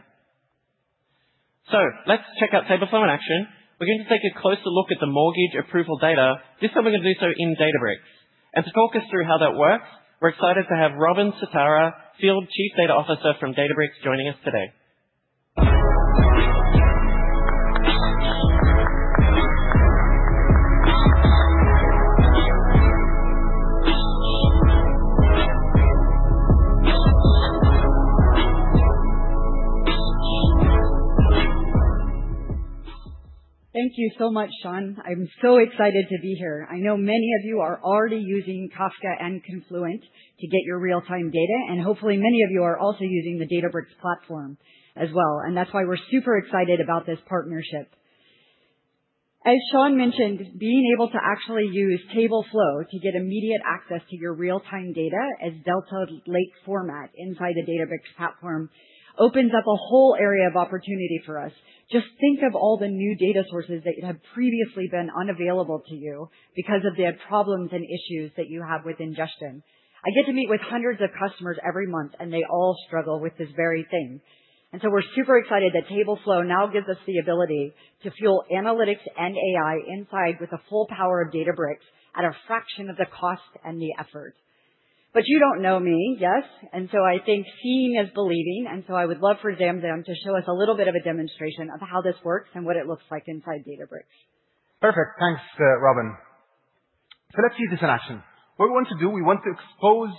So let's check out TableFlow in action. We're going to take a closer look at the mortgage approval data. This time, we're going to do so in Databricks. And to talk us through how that works, we're excited to have Robin Sutara, Field Chief Data Officer from Databricks, joining us today.
Thank you so much, Shaun. I'm so excited to be here. I know many of you are already using Kafka and Confluent to get your real-time data. And hopefully, many of you are also using the Databricks platform as well. That's why we're super excited about this partnership. As Shaun mentioned, being able to actually use TableFlow to get immediate access to your real-time data as Delta Lake format inside the Databricks platform opens up a whole area of opportunity for us. Just think of all the new data sources that have previously been unavailable to you because of the problems and issues that you have with ingestion. I get to meet with hundreds of customers every month, and they all struggle with this very thing. We're super excited that TableFlow now gives us the ability to fuel analytics and AI inside with the full power of Databricks at a fraction of the cost and the effort. You don't know me, yes? I think seeing is believing. And so I would love for Zamzam toshow us a little bit of a demonstration of how this works and what it looks like inside Databricks. Perfect.
Thanks, Robin. So let's see this in action. What we want to do, we want to expose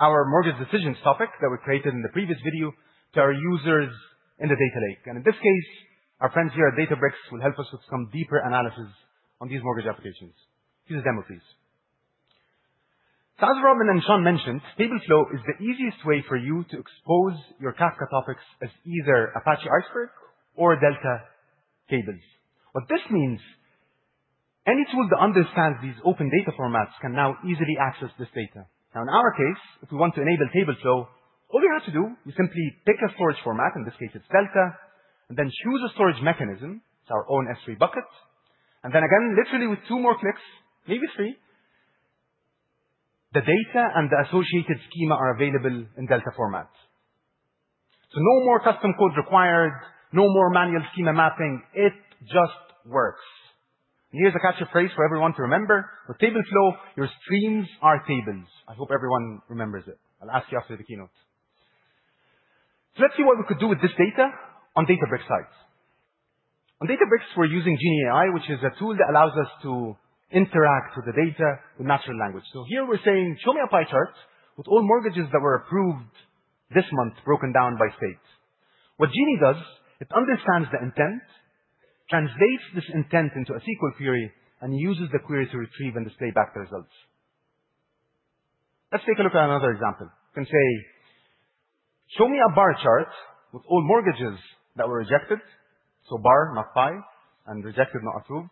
our mortgage decisions topic that we created in the previous video to our users in the data lake. And in this case, our friends here at Databricks will help us with some deeper analysis on these mortgage applications. Do the demo, please. So, as Robin and Shaun mentioned, TableFlow is the easiest way for you to expose your Kafka topics as either Apache Iceberg or Delta tables. What this means, any tool that understands these open data formats can now easily access this data. Now, in our case, if we want to enable TableFlow, all we have to do, we simply pick a storage format. In this case, it's Delta. And then choose a storage mechanism. It's our own S3 bucket. And then again, literally with two more clicks, maybe three, the data and the associated schema are available in Delta format. So no more custom code required, no more manual schema mapping. It just works. And here's a catchy phrase for everyone to remember. With TableFlow, your streams are tables. I hope everyone remembers it. I'll ask you after the keynote. So let's see what we could do with this data on Databricks side. On Databricks, we're using Genie AI, which is a tool that allows us to interact with the data with natural language. So here, we're saying, show me a pie chart with all mortgages that were approved this month, broken down by state. What Genie does, it understands the intent, translates this intent into a SQL query, and uses the query to retrieve and display back the results. Let's take a look at another example. You can say, show me a bar chart with all mortgages that were rejected. So bar, not pie, and rejected, not approved.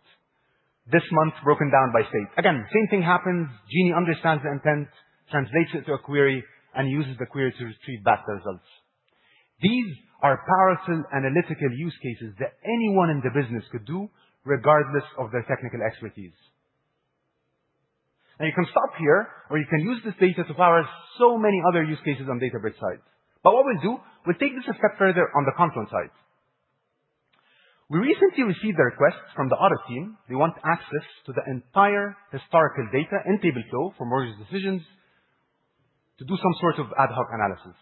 This month, broken down by state. Again, same thing happens. Genie understands the intent, translates it to a query, and uses the query to retrieve back the results. These are powerful analytical use cases that anyone in the business could do, regardless of their technical expertise. Now, you can stop here, or you can use this data to power so many other use cases on Databricks' side. But what we'll do, we'll take this a step further on the Confluent side. We recently received a request from the audit team. They want access to the entire historical data in TableFlow for mortgage decisions to do some sort of ad hoc analysis.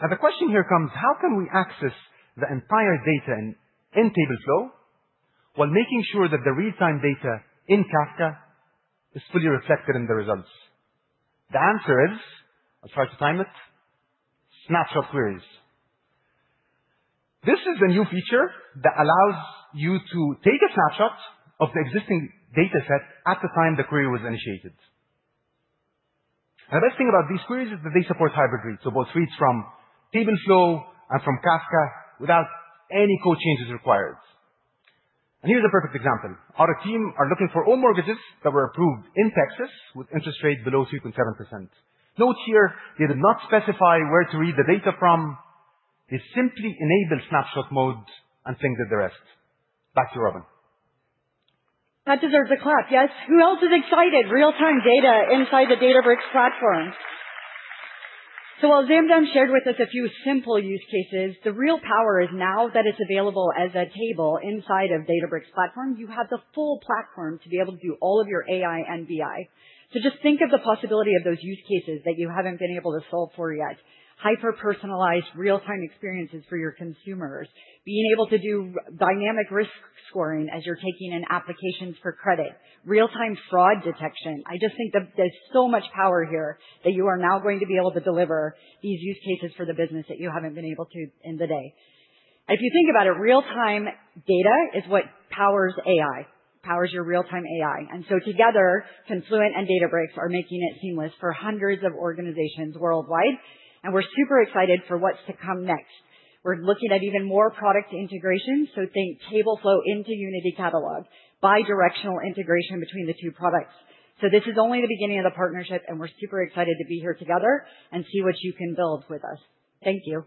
Now, the question here comes, how can we access the entire data in TableFlow while making sure that the real-time data in Kafka is fully reflected in the results? The answer is, I'll try to time it, Snapshot Queries. This is a new feature that allows you to take a snapshot of the existing data set at the time the query was initiated. And the best thing about these queries is that they support hybrid reads, so both reads from TableFlow and from Kafka without any code changes required. And here's a perfect example. Our team is looking for all mortgages that were approved in Texas with interest rates below 3.7%. Note here, they did not specify where to read the data from. They simply enabled snapshot mode and figured the rest. Back to you, Robin.
That deserves a clap. Yes? Who else is excited? Real-time data inside the Databricks platform. So, while Zamzam shared with us a few simple use cases, the real power is now that it's available as a table inside of Databricks' platform. You have the full platform to be able to do all of your AI and BI. So just think of the possibility of those use cases that you haven't been able to solve for yet. Hyper-personalized real-time experiences for your consumers, being able to do dynamic risk scoring as you're taking in applications for credit, real-time fraud detection. I just think that there's so much power here that you are now going to be able to deliver these use cases for the business that you haven't been able to in the day. If you think about it, real-time data is what powers AI, powers your real-time AI. And so together, Confluent and Databricks are making it seamless for hundreds of organizations worldwide. And we're super excited for what's to come next. We're looking at even more product integration. So think TableFlow into Unity Catalog, bi-directional integration between the two products. So this is only the beginning of the partnership. And we're super excited to be here together and see what you can build with us. Thank you.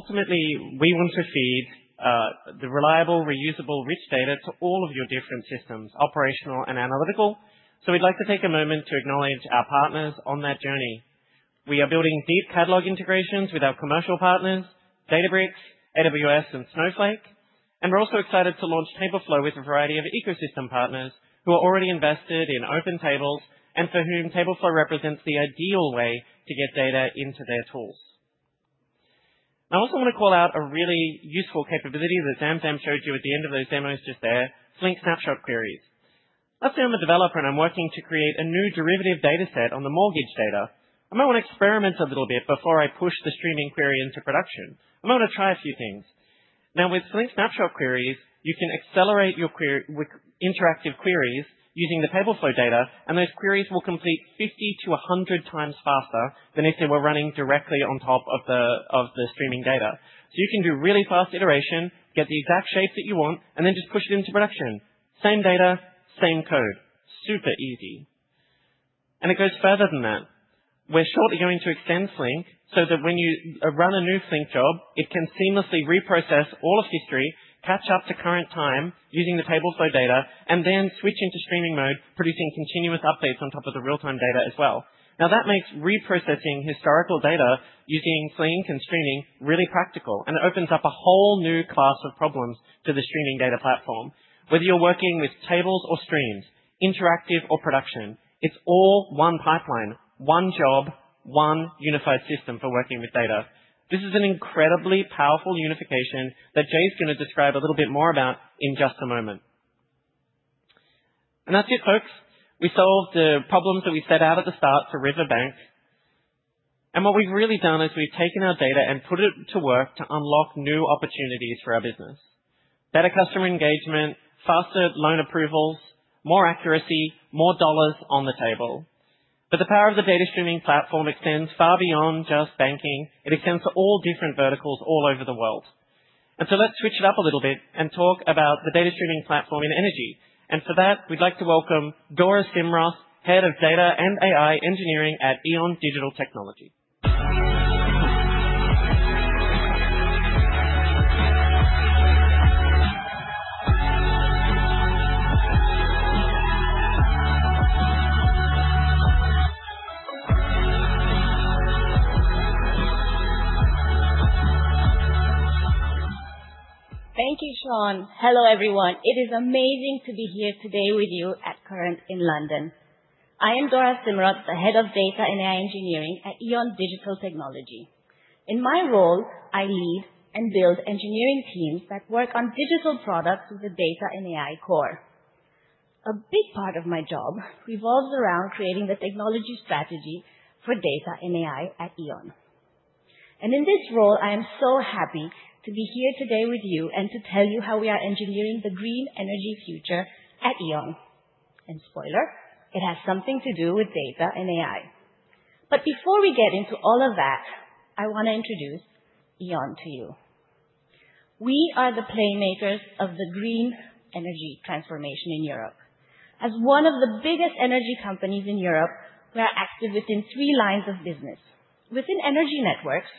So ultimately, we want to feed the reliable, reusable rich data to all of your different systems, operational and analytical. So we'd like to take a moment to acknowledge our partners on that journey. We are building deep catalog integrations with our commercial partners, Databricks, AWS, and Snowflake. We're also excited to launch TableFlow with a variety of ecosystem partners who are already invested in open tables and for whom TableFlow represents the ideal way to get data into their tools. I also want to call out a really useful capability that Zamzam showed you at the end of those demos just there, Flink Snapshot Queries. Let's say I'm a developer and I'm working to create a new derivative data set on the mortgage data. I might want to experiment a little bit before I push the streaming query into production. I might want to try a few things. Now, with Flink Snapshot Queries, you can accelerate your interactive queries using the TableFlow data. Those queries will complete 50-100 times faster than if they were running directly on top of the streaming data. So you can do really fast iteration, get the exact shape that you want, and then just push it into production. Same data, same code. Super easy. And it goes further than that. We're shortly going to extend Flink so that when you run a new Flink job, it can seamlessly reprocess all of history, catch up to current time using the TableFlow data, and then switch into streaming mode, producing continuous updates on top of the real-time data as well. Now, that makes reprocessing historical data using Flink and streaming really practical. And it opens up a whole new class of problems to the streaming data platform. Whether you're working with tables or streams, interactive or production, it's all one pipeline, one job, one unified system for working with data. This is an incredibly powerful unification that Jay is going to describe a little bit more about in just a moment. That's it, folks. We solved the problems that we set out at the start for Riverbank. What we've really done is we've taken our data and put it to work to unlock new opportunities for our business. Better customer engagement, faster loan approvals, more accuracy, more dollars on the table. The power of the data streaming platform extends far beyond just banking. It extends to all different verticals all over the world. Let's switch it up a little bit and talk about the data streaming platform in energy. For that, we'd like to welcome Dora Šimůnková, Head of Data and AI Engineering at E.ON Digital Technology.
Thank you, Shaun. Hello, everyone. It is amazing to be here today with you at Current in London. I am Dora Šimůnková, the Head of Data and AI Engineering at E.ON Digital Technology. In my role, I lead and build engineering teams that work on digital products with a data and AI core. A big part of my job revolves around creating the technology strategy for data and AI at E.ON, and in this role, I am so happy to be here today with you and to tell you how we are engineering the green energy future at E.ON. And spoiler, it has something to do with data and AI, but before we get into all of that, I want to introduce E.ON to you. We are the playmakers of the green energy transformation in Europe. As one of the biggest energy companies in Europe, we are active within three lines of business. Within energy networks,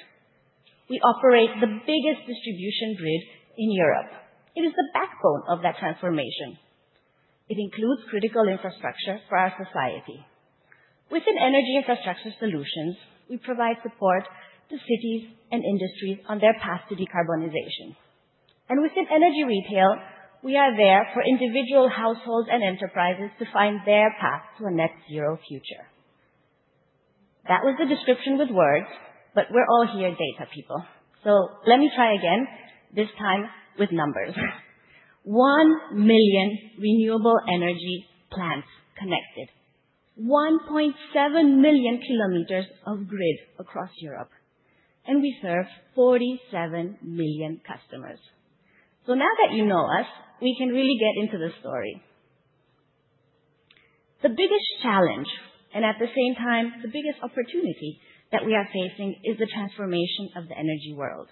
we operate the biggest distribution grid in Europe. It is the backbone of that transformation. It includes critical infrastructure for our society. Within energy infrastructure solutions, we provide support to cities and industries on their path to decarbonization. And within energy retail, we are there for individual households and enterprises to find their path to a net-zero future. That was the description with words, but we're all here data people. So let me try again, this time with numbers. 1 million renewable energy plants connected, 1.7 million km of grid across Europe. And we serve 47 million customers. So now that you know us, we can really get into the story. The biggest challenge, and at the same time, the biggest opportunity that we are facing is the transformation of the energy world.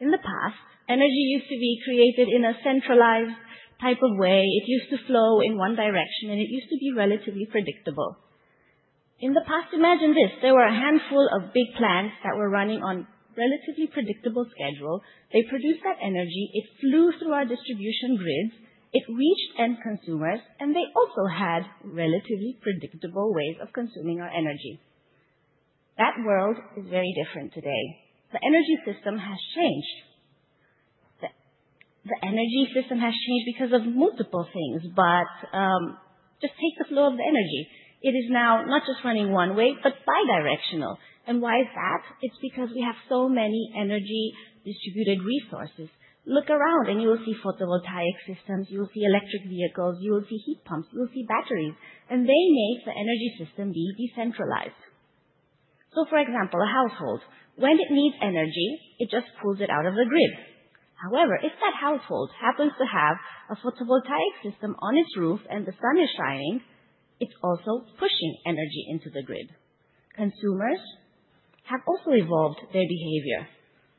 In the past, energy used to be created in a centralized type of way. It used to flow in one direction, and it used to be relatively predictable. In the past, imagine this. There were a handful of big plants that were running on a relatively predictable schedule. They produced that energy. It flew through our distribution grids. It reached end consumers, and they also had relatively predictable ways of consuming our energy. That world is very different today. The energy system has changed. The energy system has changed because of multiple things, but just take the flow of the energy. It is now not just running one way, but bi-directional, and why is that? It's because we have so many energy distributed resources. Look around, and you will see photovoltaic systems. You will see electric vehicles. You will see heat pumps. You will see batteries, and they make the energy system be decentralized. So, for example, a household, when it needs energy, it just pulls it out of the grid. However, if that household happens to have a photovoltaic system on its roof and the sun is shining, it's also pushing energy into the grid. Consumers have also evolved their behavior.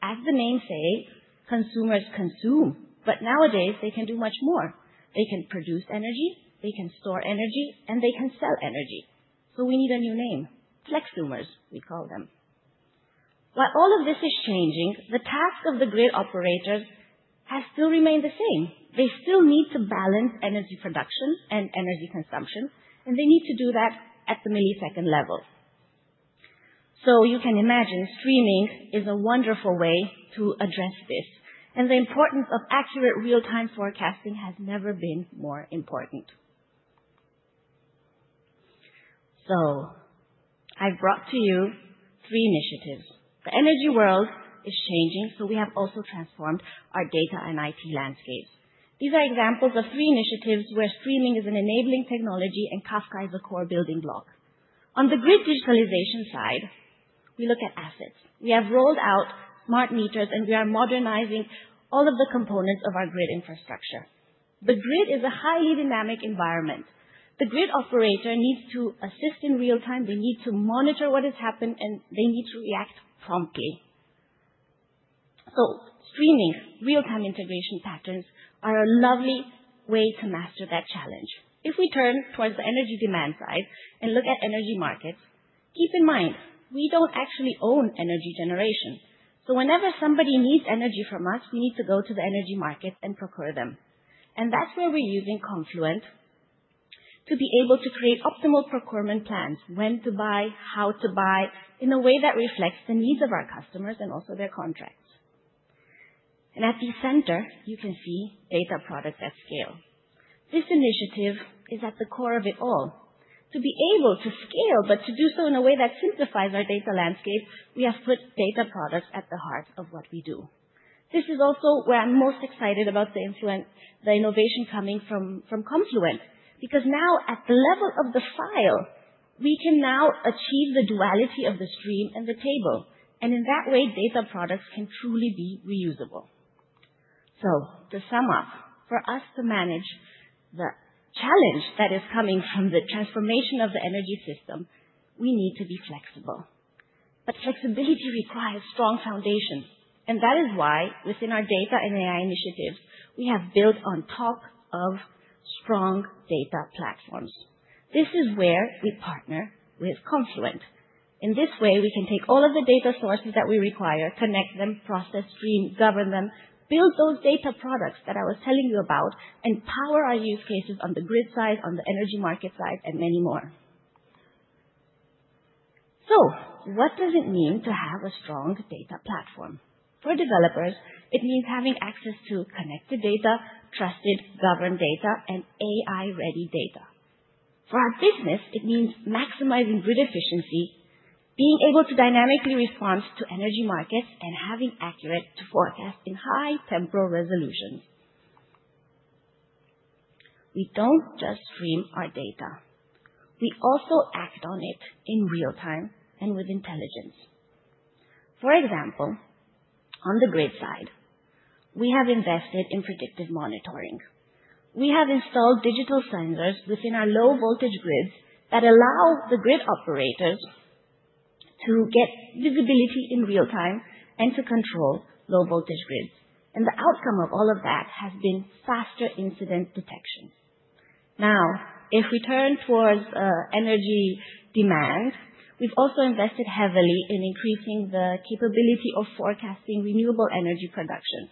As the name says, consumers consume. But nowadays, they can do much more. They can produce energy, they can store energy, and they can sell energy. So we need a new name. Flexumers, we call them. While all of this is changing, the task of the grid operators has still remained the same. They still need to balance energy production and energy consumption. And they need to do that at the millisecond level. So you can imagine streaming is a wonderful way to address this. And the importance of accurate real-time forecasting has never been more important. So I've brought to you three initiatives. The energy world is changing, so we have also transformed our data and IT landscapes. These are examples of three initiatives where streaming is an enabling technology and Kafka is a core building block. On the grid digitalization side, we look at assets. We have rolled out smart meters, and we are modernizing all of the components of our grid infrastructure. The grid is a highly dynamic environment. The grid operator needs to assist in real time. They need to monitor what has happened, and they need to react promptly. So streaming, real-time integration patterns are a lovely way to master that challenge. If we turn towards the energy demand side and look at energy markets, keep in mind, we don't actually own energy generation. So whenever somebody needs energy from us, we need to go to the energy market and procure them. That's where we're using Confluent to be able to create optimal procurement plans, when to buy, how to buy, in a way that reflects the needs of our customers and also their contracts. At the center, you can see data products at scale. This initiative is at the core of it all. To be able to scale, but to do so in a way that simplifies our data landscape, we have put data products at the heart of what we do. This is also where I'm most excited about the innovation coming from Confluent. Because now, at the level of the Flink, we can now achieve the duality of the stream and the table. In that way, data products can truly be reusable. So to sum up, for us to manage the challenge that is coming from the transformation of the energy system, we need to be flexible. But flexibility requires strong foundation. And that is why, within our data and AI initiatives, we have built on top of strong data platforms. This is where we partner with Confluent. In this way, we can take all of the data sources that we require, connect them, process streams, govern them, build those data products that I was telling you about, and power our use cases on the grid side, on the energy market side, and many more. So what does it mean to have a strong data platform? For developers, it means having access to connected data, trusted, governed data, and AI-ready data. For our business, it means maximizing grid efficiency, being able to dynamically respond to energy markets, and having accurate forecasts in high temporal resolutions. We don't just stream our data. We also act on it in real time and with intelligence. For example, on the grid side, we have invested in predictive monitoring. We have installed digital sensors within our low-voltage grids that allow the grid operators to get visibility in real time and to control low-voltage grids. And the outcome of all of that has been faster incident detection. Now, if we turn towards energy demand, we've also invested heavily in increasing the capability of forecasting renewable energy production.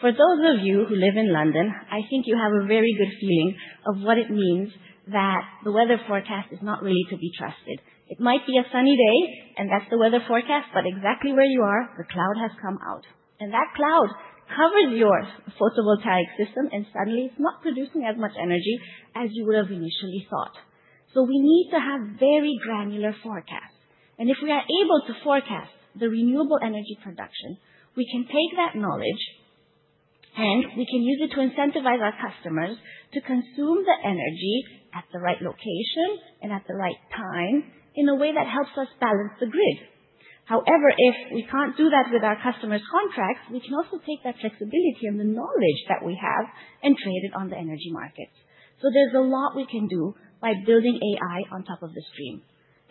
For those of you who live in London, I think you have a very good feeling of what it means that the weather forecast is not really to be trusted. It might be a sunny day, and that's the weather forecast, but exactly where you are, the cloud has come out, and that cloud covers your photovoltaic system, and suddenly, it's not producing as much energy as you would have initially thought, so we need to have very granular forecasts. If we are able to forecast the renewable energy production, we can take that knowledge, and we can use it to incentivize our customers to consume the energy at the right location and at the right time in a way that helps us balance the grid. However, if we can't do that with our customers' contracts, we can also take that flexibility and the knowledge that we have and trade it on the energy markets, so there's a lot we can do by building AI on top of the stream.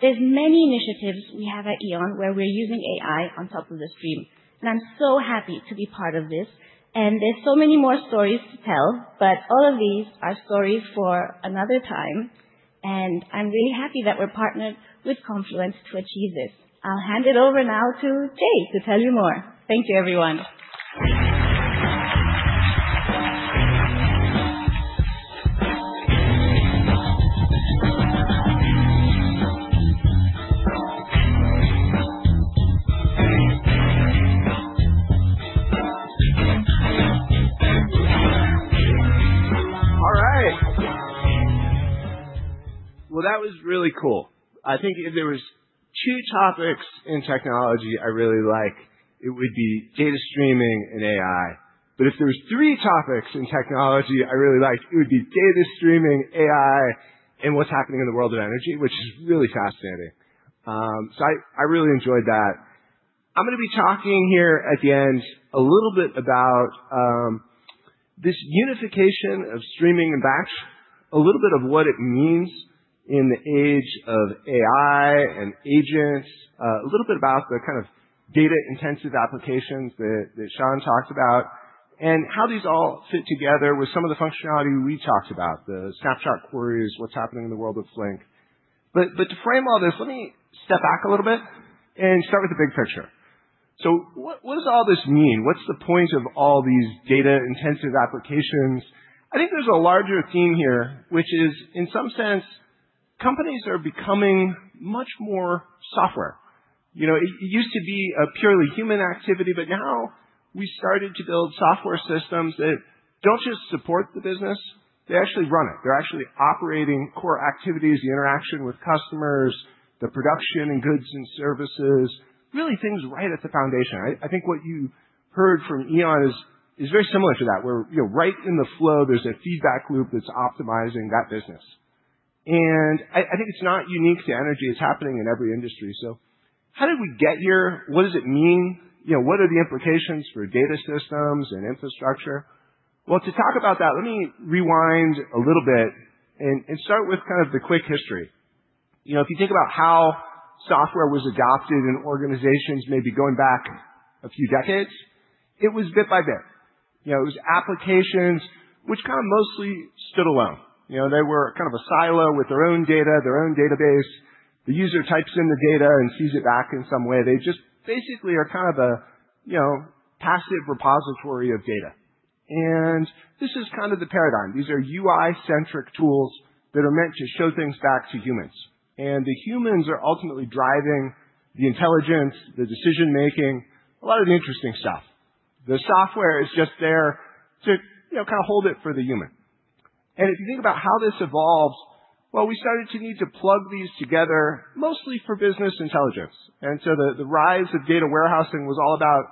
There's many initiatives we have at E.ON where we're using AI on top of the stream, and I'm so happy to be part of this. There's so many more stories to tell, but all of these are stories for another time. I'm really happy that we're partnered with Confluent to achieve this. I'll hand it over now to Jay to tell you more. Thank you, everyone.
All right. That was really cool. I think if there were two topics in technology I really like, it would be data streaming and AI. If there were three topics in technology I really liked, it would be data streaming, AI, and what's happening in the world of energy, which is really fascinating. I really enjoyed that. I'm going to be talking here at the end a little bit about this unification of streaming and batch, a little bit of what it means in the age of AI and agents, a little bit about the kind of data-intensive applications that Shaun talked about, and how these all fit together with some of the functionality we talked about, the Snapshot Queries, what's happening in the world of Flink, but to frame all this, let me step back a little bit and start with the big picture, so what does all this mean? What's the point of all these data-intensive applications? I think there's a larger theme here, which is, in some sense, companies are becoming much more software. It used to be a purely human activity. But now we've started to build software systems that don't just support the business. They actually run it. They're actually operating core activities, the interaction with customers, the production and goods and services, really things right at the foundation. I think what you heard from E.ON is very similar to that, where right in the flow, there's a feedback loop that's optimizing that business. I think it's not unique to energy. It's happening in every industry. How did we get here? What does it mean? What are the implications for data systems and infrastructure? To talk about that, let me rewind a little bit and start with kind of the quick history. If you think about how software was adopted in organizations, maybe going back a few decades, it was bit by bit. It was applications which kind of mostly stood alone. They were kind of a silo with their own data, their own database. The user types in the data and sees it back in some way. They just basically are kind of a passive repository of data. And this is kind of the paradigm. These are UI-centric tools that are meant to show things back to humans. And the humans are ultimately driving the intelligence, the decision-making, a lot of the interesting stuff. The software is just there to kind of hold it for the human. And if you think about how this evolves, well, we started to need to plug these together, mostly for business intelligence. And so the rise of data warehousing was all about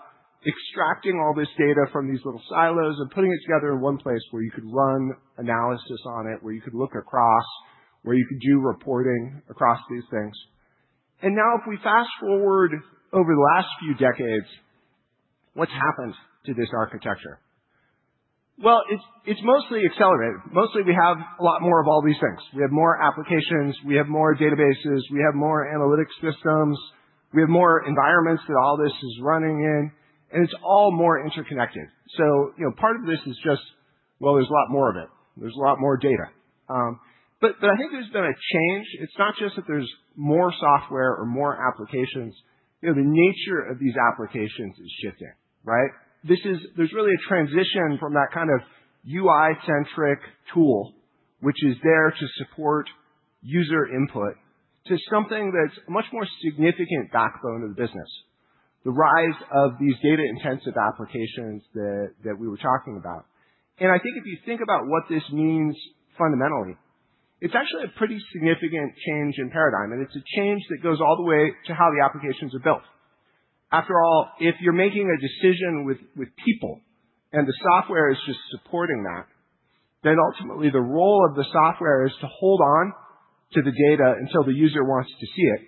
extracting all this data from these little silos and putting it together in one place where you could run analysis on it, where you could look across, where you could do reporting across these things. And now, if we fast forward over the last few decades, what's happened to this architecture? Well, it's mostly accelerated. Mostly, we have a lot more of all these things. We have more applications. We have more databases. We have more analytic systems. We have more environments that all this is running in. And it's all more interconnected. So part of this is just, well, there's a lot more of it. There's a lot more data. But I think there's been a change. It's not just that there's more software or more applications. The nature of these applications is shifting. There's really a transition from that kind of UI-centric tool, which is there to support user input, to something that's a much more significant backbone of the business, the rise of these data-intensive applications that we were talking about. And I think if you think about what this means fundamentally, it's actually a pretty significant change in paradigm. And it's a change that goes all the way to how the applications are built. After all, if you're making a decision with people and the software is just supporting that, then ultimately, the role of the software is to hold on to the data until the user wants to see it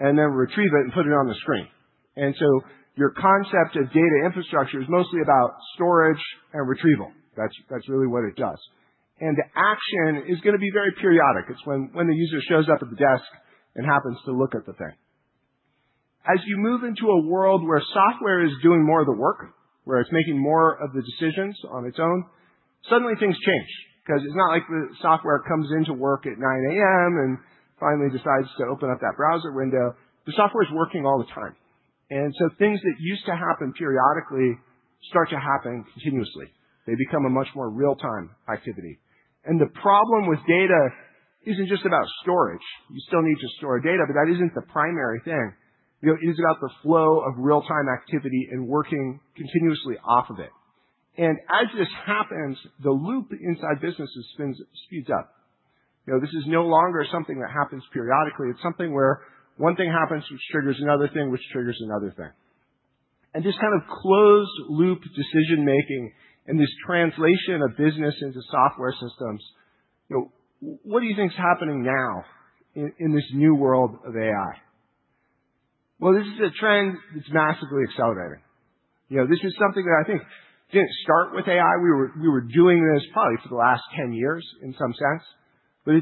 and then retrieve it and put it on the screen. And so your concept of data infrastructure is mostly about storage and retrieval. That's really what it does. And the action is going to be very periodic. It's when the user shows up at the desk and happens to look at the thing. As you move into a world where software is doing more of the work, where it's making more of the decisions on its own, suddenly, things change. Because it's not like the software comes into work at 9:00 A.M. and finally decides to open up that browser window. The software is working all the time. And so things that used to happen periodically start to happen continuously. They become a much more real-time activity. And the problem with data isn't just about storage. You still need to store data. But that isn't the primary thing. It is about the flow of real-time activity and working continuously off of it. And as this happens, the loop inside businesses speeds up. This is no longer something that happens periodically. It's something where one thing happens, which triggers another thing, which triggers another thing. And this kind of closed-loop decision-making and this translation of business into software systems, what do you think is happening now in this new world of AI? Well, this is a trend that's massively accelerating. This is something that I think didn't start with AI. We were doing this probably for the last 10 years in some sense. But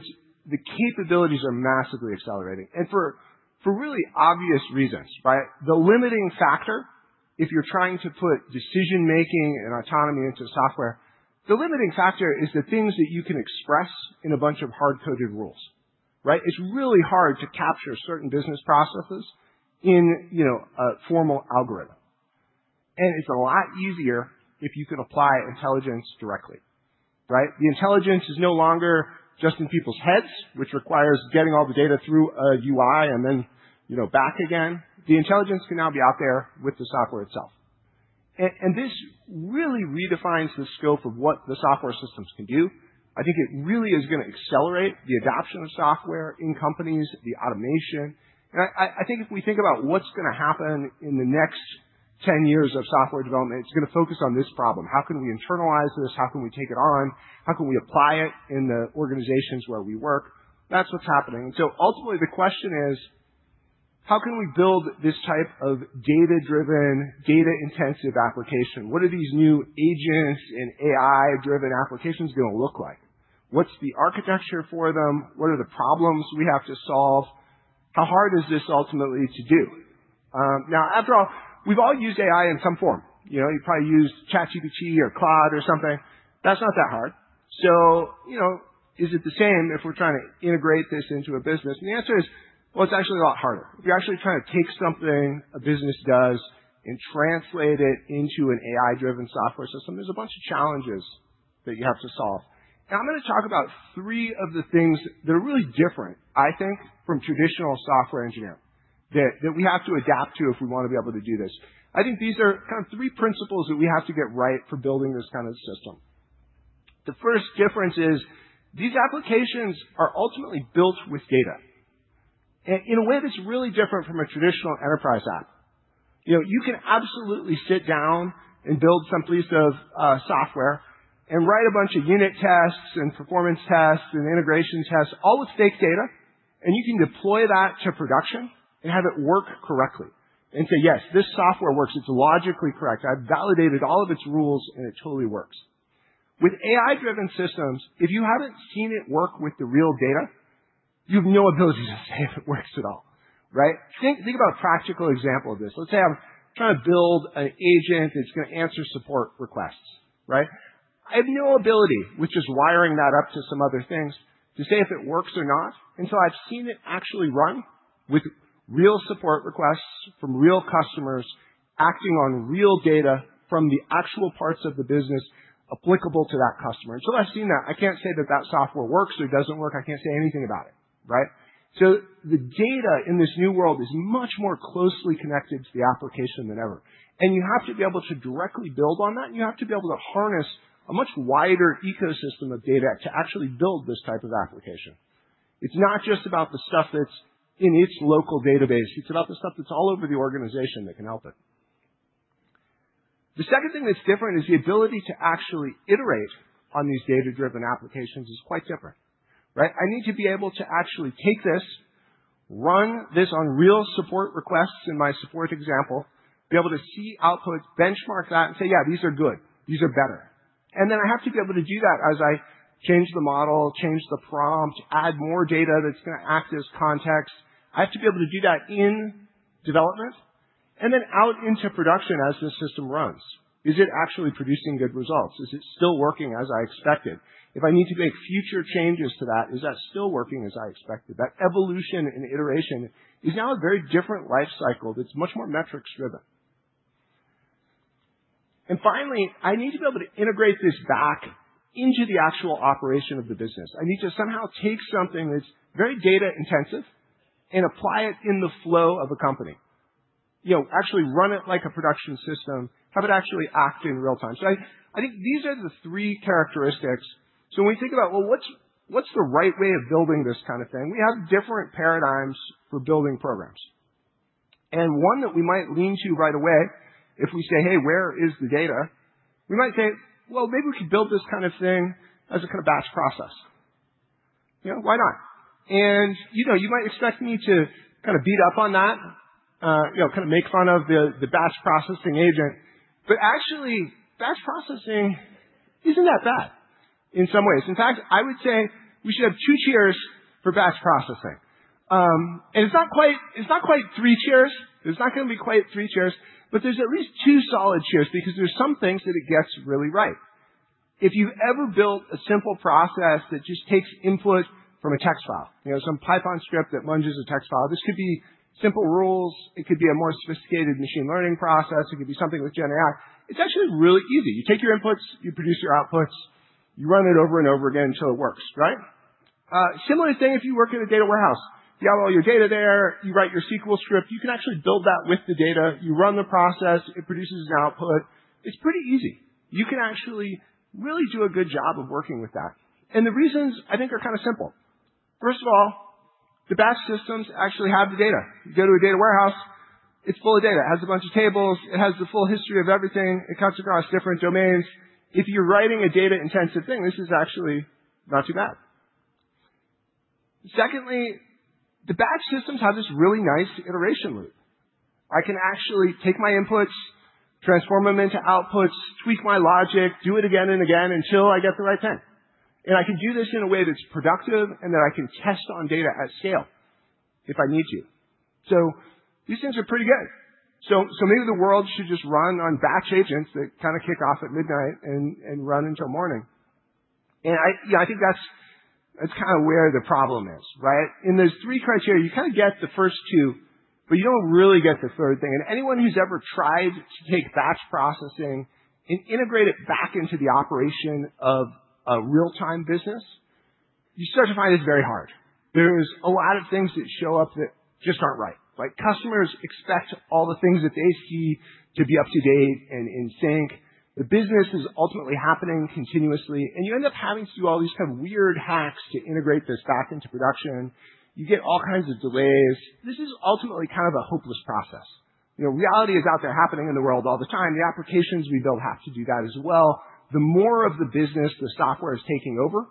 the capabilities are massively accelerating and for really obvious reasons. The limiting factor, if you're trying to put decision-making and autonomy into software, the limiting factor is the things that you can express in a bunch of hard-coded rules. It's really hard to capture certain business processes in a formal algorithm. And it's a lot easier if you can apply intelligence directly. The intelligence is no longer just in people's heads, which requires getting all the data through a UI and then back again. The intelligence can now be out there with the software itself. And this really redefines the scope of what the software systems can do. I think it really is going to accelerate the adoption of software in companies, the automation. And I think if we think about what's going to happen in the next 10 years of software development, it's going to focus on this problem. How can we internalize this? How can we take it on? How can we apply it in the organizations where we work? That's what's happening. And so ultimately, the question is, how can we build this type of data-driven, data-intensive application? What are these new agents and AI-driven applications going to look like? What's the architecture for them? What are the problems we have to solve? How hard is this ultimately to do? Now, after all, we've all used AI in some form. You probably used ChatGPT or Cloud or something. That's not that hard, so is it the same if we're trying to integrate this into a business?, and the answer is, well, it's actually a lot harder. If you're actually trying to take something a business does and translate it into an AI-driven software system, there's a bunch of challenges that you have to solve. Now, I'm going to talk about three of the things that are really different, I think, from traditional software engineering that we have to adapt to if we want to be able to do this. I think these are kind of three principles that we have to get right for building this kind of system. The first difference is these applications are ultimately built with data in a way that's really different from a traditional enterprise app. You can absolutely sit down and build some piece of software and write a bunch of unit tests and performance tests and integration tests, all with fake data. And you can deploy that to production and have it work correctly and say, yes, this software works. It's logically correct. I've validated all of its rules, and it totally works. With AI-driven systems, if you haven't seen it work with the real data, you have no ability to say if it works at all. Think about a practical example of this. Let's say I'm trying to build an agent that's going to answer support requests. I have no ability, which is wiring that up to some other things, to say if it works or not until I've seen it actually run with real support requests from real customers acting on real data from the actual parts of the business applicable to that customer. Until I've seen that, I can't say that that software works or doesn't work. I can't say anything about it. So the data in this new world is much more closely connected to the application than ever. And you have to be able to directly build on that. And you have to be able to harness a much wider ecosystem of data to actually build this type of application. It's not just about the stuff that's in its local database. It's about the stuff that's all over the organization that can help it. The second thing that's different is the ability to actually iterate on these data-driven applications is quite different. I need to be able to actually take this, run this on real support requests in my support example, be able to see outputs, benchmark that, and say, yeah, these are good. These are better, and then I have to be able to do that as I change the model, change the prompt, add more data that's going to act as context. I have to be able to do that in development and then out into production as the system runs. Is it actually producing good results? Is it still working as I expected? If I need to make future changes to that, is that still working as I expected? That evolution and iteration is now a very different life cycle that's much more metrics-driven. And finally, I need to be able to integrate this back into the actual operation of the business. I need to somehow take something that's very data-intensive and apply it in the flow of a company, actually run it like a production system, have it actually act in real time. So I think these are the three characteristics. So when we think about, well, what's the right way of building this kind of thing, we have different paradigms for building programs. And one that we might lean to right away if we say, hey, where is the data? We might say, well, maybe we could build this kind of thing as a kind of batch process. Why not? And you might expect me to kind of beat up on that, kind of make fun of the batch processing agent. But actually, batch processing isn't that bad in some ways. In fact, I would say we should have two tiers for batch processing. It's not quite three tiers. It's not going to be quite three tiers. But there's at least two solid tiers because there's some things that it gets really right. If you've ever built a simple process that just takes input from a text file, some Python script that lunges a text file, this could be simple rules. It could be a more sophisticated machine learning process. It could be something with GenAI. It's actually really easy. You take your inputs. You produce your outputs. You run it over and over again until it works. Similar thing if you work in a data warehouse. You have all your data there. You write your SQL script. You can actually build that with the data. You run the process. It produces an output. It's pretty easy. You can actually really do a good job of working with that. And the reasons, I think, are kind of simple. First of all, the batch systems actually have the data. You go to a data warehouse. It's full of data. It has a bunch of tables. It has the full history of everything. It cuts across different domains. If you're writing a data-intensive thing, this is actually not too bad. Secondly, the batch systems have this really nice iteration loop. I can actually take my inputs, transform them into outputs, tweak my logic, do it again and again until I get the right thing. And I can do this in a way that's productive and that I can test on data at scale if I need to. So these things are pretty good. So maybe the world should just run on batch agents that kind of kick off at midnight and run until morning. And I think that's kind of where the problem is. In those three criteria, you kind of get the first two, but you don't really get the third thing. And anyone who's ever tried to take batch processing and integrate it back into the operation of a real-time business, you start to find it's very hard. There's a lot of things that show up that just aren't right. Customers expect all the things that they see to be up to date and in sync. The business is ultimately happening continuously. And you end up having to do all these kind of weird hacks to integrate this back into production. You get all kinds of delays. This is ultimately kind of a hopeless process. Reality is out there happening in the world all the time. The applications we build have to do that as well. The more of the business the software is taking over,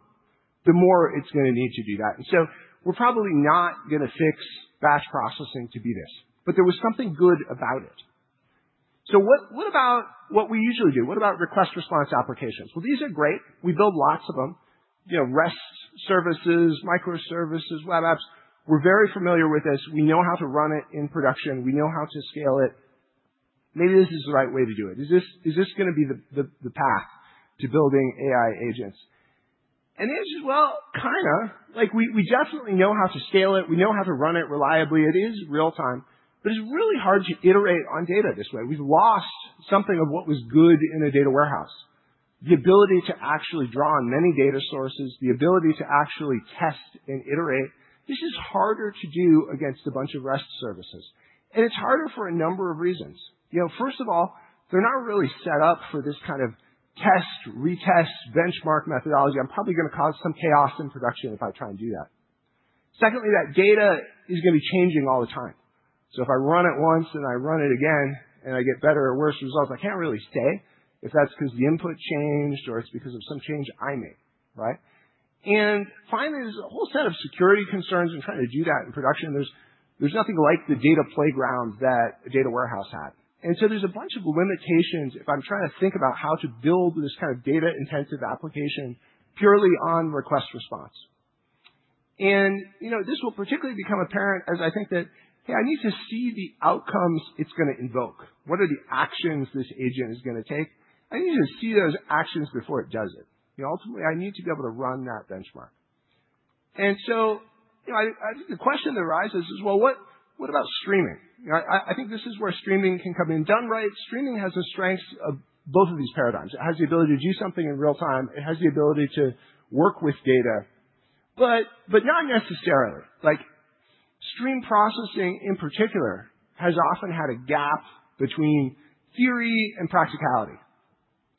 the more it's going to need to do that, and so we're probably not going to fix batch processing to be this, but there was something good about it, so what about what we usually do? What about request response applications? Well, these are great. We build lots of them, REST services, microservices, web apps. We're very familiar with this. We know how to run it in production. We know how to scale it. Maybe this is the right way to do it. Is this going to be the path to building AI agents, and the answer is, well, kind of. We definitely know how to scale it. We know how to run it reliably. It is real time. But it's really hard to iterate on data this way. We've lost something of what was good in a data warehouse, the ability to actually draw on many data sources, the ability to actually test and iterate. This is harder to do against a bunch of REST services. And it's harder for a number of reasons. First of all, they're not really set up for this kind of test, retest, benchmark methodology. I'm probably going to cause some chaos in production if I try and do that. Secondly, that data is going to be changing all the time. So if I run it once and I run it again and I get better or worse results, I can't really say if that's because the input changed or it's because of some change I made. And finally, there's a whole set of security concerns in trying to do that in production. There's nothing like the data playground that a data warehouse had. And so there's a bunch of limitations if I'm trying to think about how to build this kind of data-intensive application purely on request response. And this will particularly become apparent as I think that, hey, I need to see the outcomes it's going to invoke. What are the actions this agent is going to take? I need to see those actions before it does it. Ultimately, I need to be able to run that benchmark. And so I think the question that arises is, well, what about streaming? I think this is where streaming can come in. Done right, streaming has the strengths of both of these paradigms. It has the ability to do something in real time. It has the ability to work with data, but not necessarily. Stream processing, in particular, has often had a gap between theory and practicality.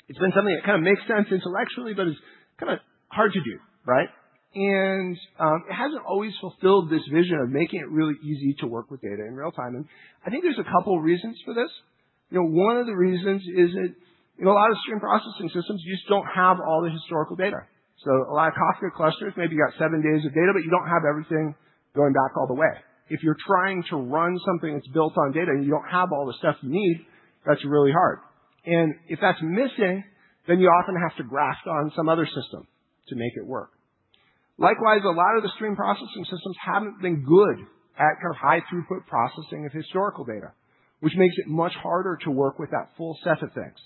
It's been something that kind of makes sense intellectually, but it's kind of hard to do. And it hasn't always fulfilled this vision of making it really easy to work with data in real time. And I think there's a couple of reasons for this. One of the reasons is that a lot of stream processing systems just don't have all the historical data. So a lot of Kafka clusters maybe got seven days of data, but you don't have everything going back all the way. If you're trying to run something that's built on data and you don't have all the stuff you need, that's really hard. And if that's missing, then you often have to graft on some other system to make it work. Likewise, a lot of the stream processing systems haven't been good at kind of high throughput processing of historical data, which makes it much harder to work with that full set of things.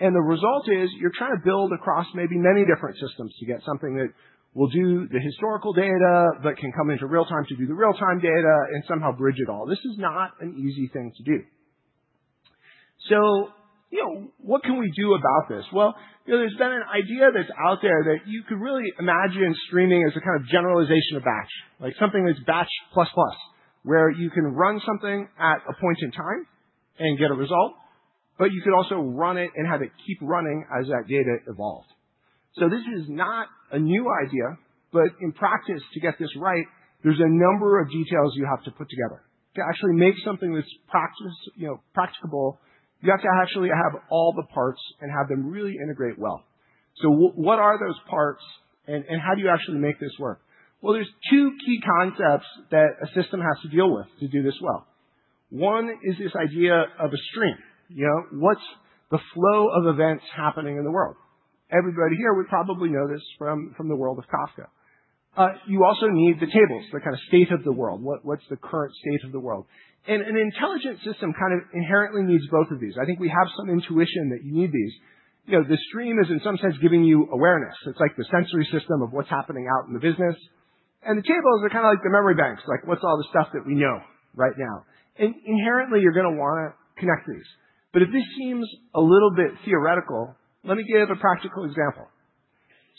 And the result is you're trying to build across maybe many different systems to get something that will do the historical data but can come into real time to do the real time data and somehow bridge it all. This is not an easy thing to do. So what can we do about this? Well, there's been an idea that's out there that you could really imagine streaming as a kind of generalization of batch, like something that's batch plus plus, where you can run something at a point in time and get a result, but you could also run it and have it keep running as that data evolved. So this is not a new idea. But in practice, to get this right, there's a number of details you have to put together. To actually make something that's practicable, you have to actually have all the parts and have them really integrate well. So what are those parts and how do you actually make this work? Well, there's two key concepts that a system has to deal with to do this well. One is this idea of a stream. What's the flow of events happening in the world? Everybody here would probably know this from the world of Kafka. You also need the tables, the kind of state of the world. What's the current state of the world? And an intelligent system kind of inherently needs both of these. I think we have some intuition that you need these. The stream is, in some sense, giving you awareness. It's like the sensory system of what's happening out in the business, and the tables are kind of like the memory banks, like what's all the stuff that we know right now, and inherently, you're going to want to connect these, but if this seems a little bit theoretical, let me give a practical example,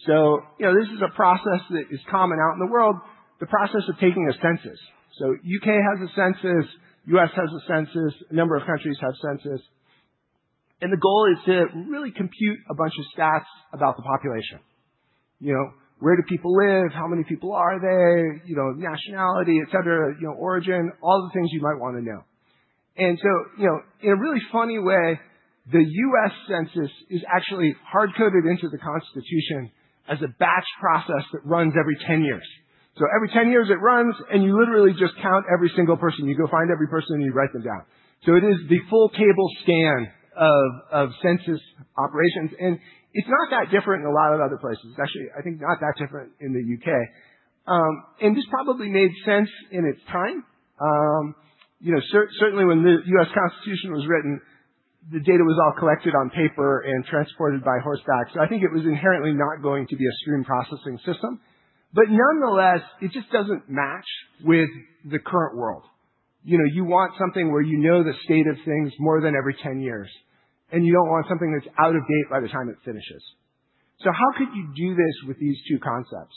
so this is a process that is common out in the world, the process of taking a census, so the U.K. has a census, the U.S. has a census, a number of countries have census, and the goal is to really compute a bunch of stats about the population. Where do people live? How many people are they? Nationality, et cetera, origin, all the things you might want to know, and so in a really funny way, the U.S. census is actually hard-coded into the Constitution as a batch process that runs every 10 years. So every 10 years, it runs, and you literally just count every single person. You go find every person, and you write them down. So it is the full table scan of census operations. And it's not that different in a lot of other places. It's actually, I think, not that different in the U.K. And this probably made sense in its time. Certainly, when the U.S. Constitution was written, the data was all collected on paper and transported by horseback. So I think it was inherently not going to be a stream processing system. But nonetheless, it just doesn't match with the current world. You want something where you know the state of things more than every 10 years. And you don't want something that's out of date by the time it finishes. So how could you do this with these two concepts?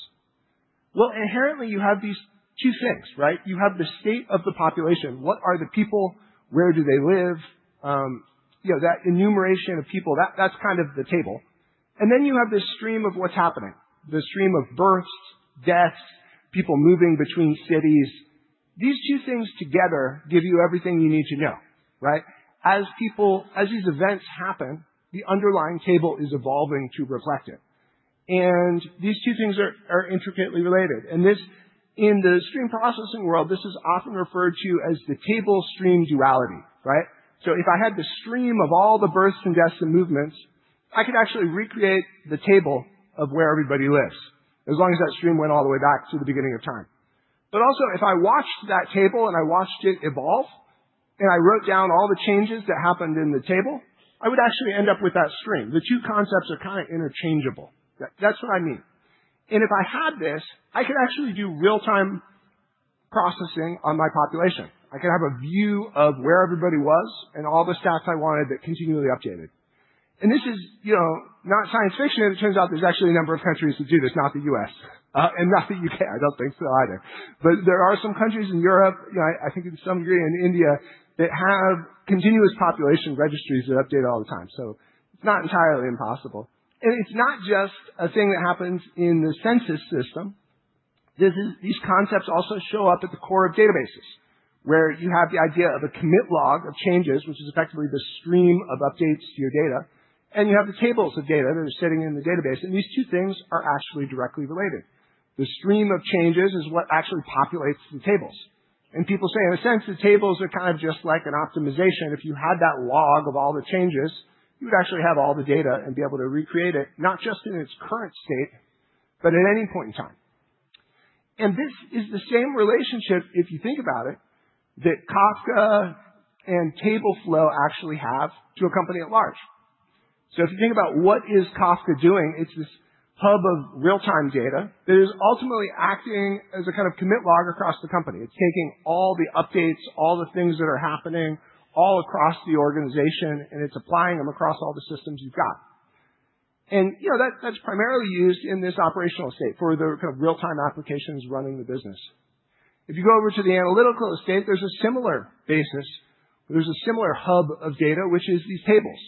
Inherently, you have these two things. You have the state of the population. What are the people? Where do they live? That enumeration of people, that's kind of the table. And then you have this stream of what's happening, the stream of births, deaths, people moving between cities. These two things together give you everything you need to know. As these events happen, the underlying table is evolving to reflect it. And these two things are intricately related. And in the stream processing world, this is often referred to as the Table-Stream Duality. So if I had the stream of all the births and deaths and movements, I could actually recreate the table of where everybody lives, as long as that stream went all the way back to the beginning of time. But also, if I watched that table and I watched it evolve and I wrote down all the changes that happened in the table, I would actually end up with that stream. The two concepts are kind of interchangeable. That's what I mean. And if I had this, I could actually do real-time processing on my population. I could have a view of where everybody was and all the stats I wanted that continually updated. And this is not science fiction. It turns out there's actually a number of countries that do this, not the U.S. and not the U.K. I don't think so either. But there are some countries in Europe, I think in some degree in India, that have continuous population registries that update all the time. So it's not entirely impossible. And it's not just a thing that happens in the census system. These concepts also show up at the core of databases, where you have the idea of a commit log of changes, which is effectively the stream of updates to your data, and you have the tables of data that are sitting in the database, and these two things are actually directly related. The stream of changes is what actually populates the tables, and people say, in a sense, the tables are kind of just like an optimization. If you had that log of all the changes, you would actually have all the data and be able to recreate it, not just in its current state, but at any point in time, and this is the same relationship, if you think about it, that Kafka and TableFlow actually have to a company at large. So if you think about what is Kafka doing, it's this hub of real-time data that is ultimately acting as a kind of commit log across the company. It's taking all the updates, all the things that are happening all across the organization, and it's applying them across all the systems you've got. And that's primarily used in this operational estate for the kind of real-time applications running the business. If you go over to the analytical estate, there's a similar basis. There's a similar hub of data, which is these tables,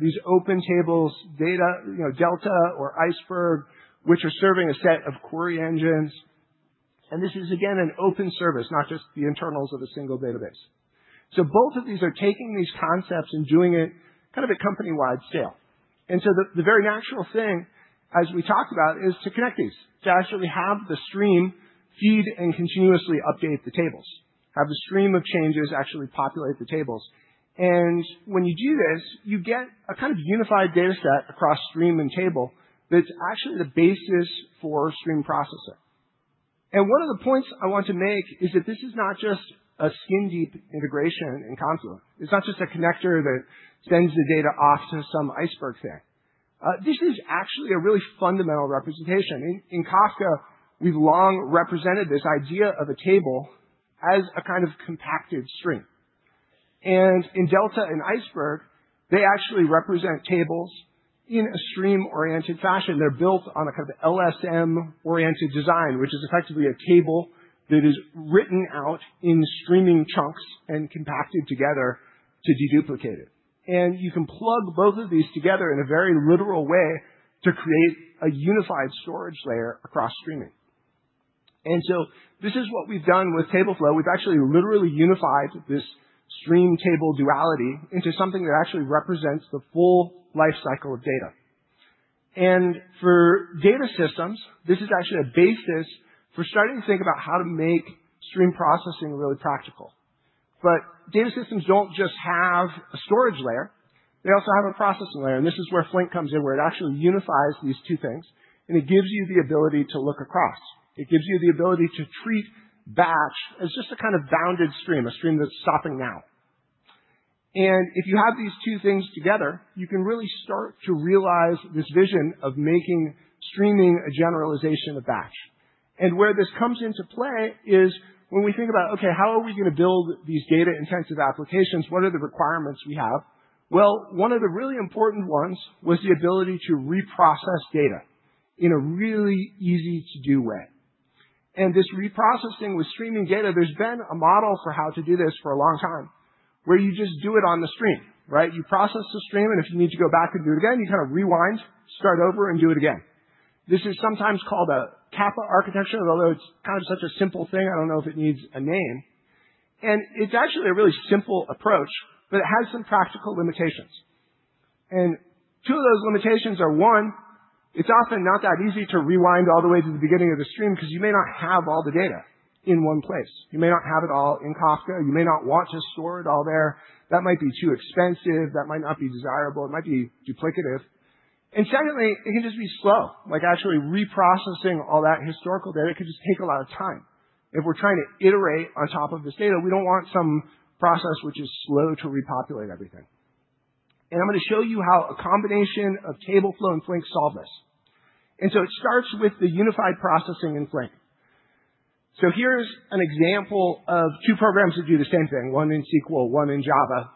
these open tables, Delta or Iceberg, which are serving a set of query engines. And this is, again, an open service, not just the internals of a single database. So both of these are taking these concepts and doing it kind of at company-wide scale. And so the very natural thing, as we talked about, is to connect these, to actually have the stream feed and continuously update the tables, have the stream of changes actually populate the tables. And when you do this, you get a kind of unified data set across stream and table that's actually the basis for stream processing. And one of the points I want to make is that this is not just a skin-deep integration in Confluent. It's not just a connector that sends the data off to some Iceberg thing. This is actually a really fundamental representation. In Kafka, we've long represented this idea of a table as a kind of compacted stream. And in Delta and Iceberg, they actually represent tables in a stream-oriented fashion. They're built on a kind of LSM-oriented design, which is effectively a table that is written out in streaming chunks and compacted together to deduplicate it. And you can plug both of these together in a very literal way to create a unified storage layer across streaming. And so this is what we've done with TableFlow. We've actually literally unified this stream-table duality into something that actually represents the full lifecycle of data. And for data systems, this is actually a basis for starting to think about how to make stream processing really practical. But data systems don't just have a storage layer. They also have a processing layer. And this is where Flink comes in, where it actually unifies these two things. And it gives you the ability to look across. It gives you the ability to treat batch as just a kind of bounded stream, a stream that's stopping now. And if you have these two things together, you can really start to realize this vision of making streaming a generalization of batch. And where this comes into play is when we think about, okay, how are we going to build these data-intensive applications? What are the requirements we have? Well, one of the really important ones was the ability to reprocess data in a really easy-to-do way. And this reprocessing with streaming data, there's been a model for how to do this for a long time, where you just do it on the stream. You process the stream, and if you need to go back and do it again, you kind of rewind, start over, and do it again. This is sometimes called a Kappa architecture, although it's kind of such a simple thing. I don't know if it needs a name. And it's actually a really simple approach, but it has some practical limitations. And two of those limitations are, one, it's often not that easy to rewind all the way to the beginning of the stream because you may not have all the data in one place. You may not have it all in Kafka. You may not want to store it all there. That might be too expensive. That might not be desirable. It might be duplicative. And secondly, it can just be slow, like actually reprocessing all that historical data. It could just take a lot of time. If we're trying to iterate on top of this data, we don't want some process which is slow to repopulate everything. I'm going to show you how a combination of TableFlow and Flink solved this. So it starts with the unified processing in Flink. Here's an example of two programs that do the same thing, one in SQL, one in Java.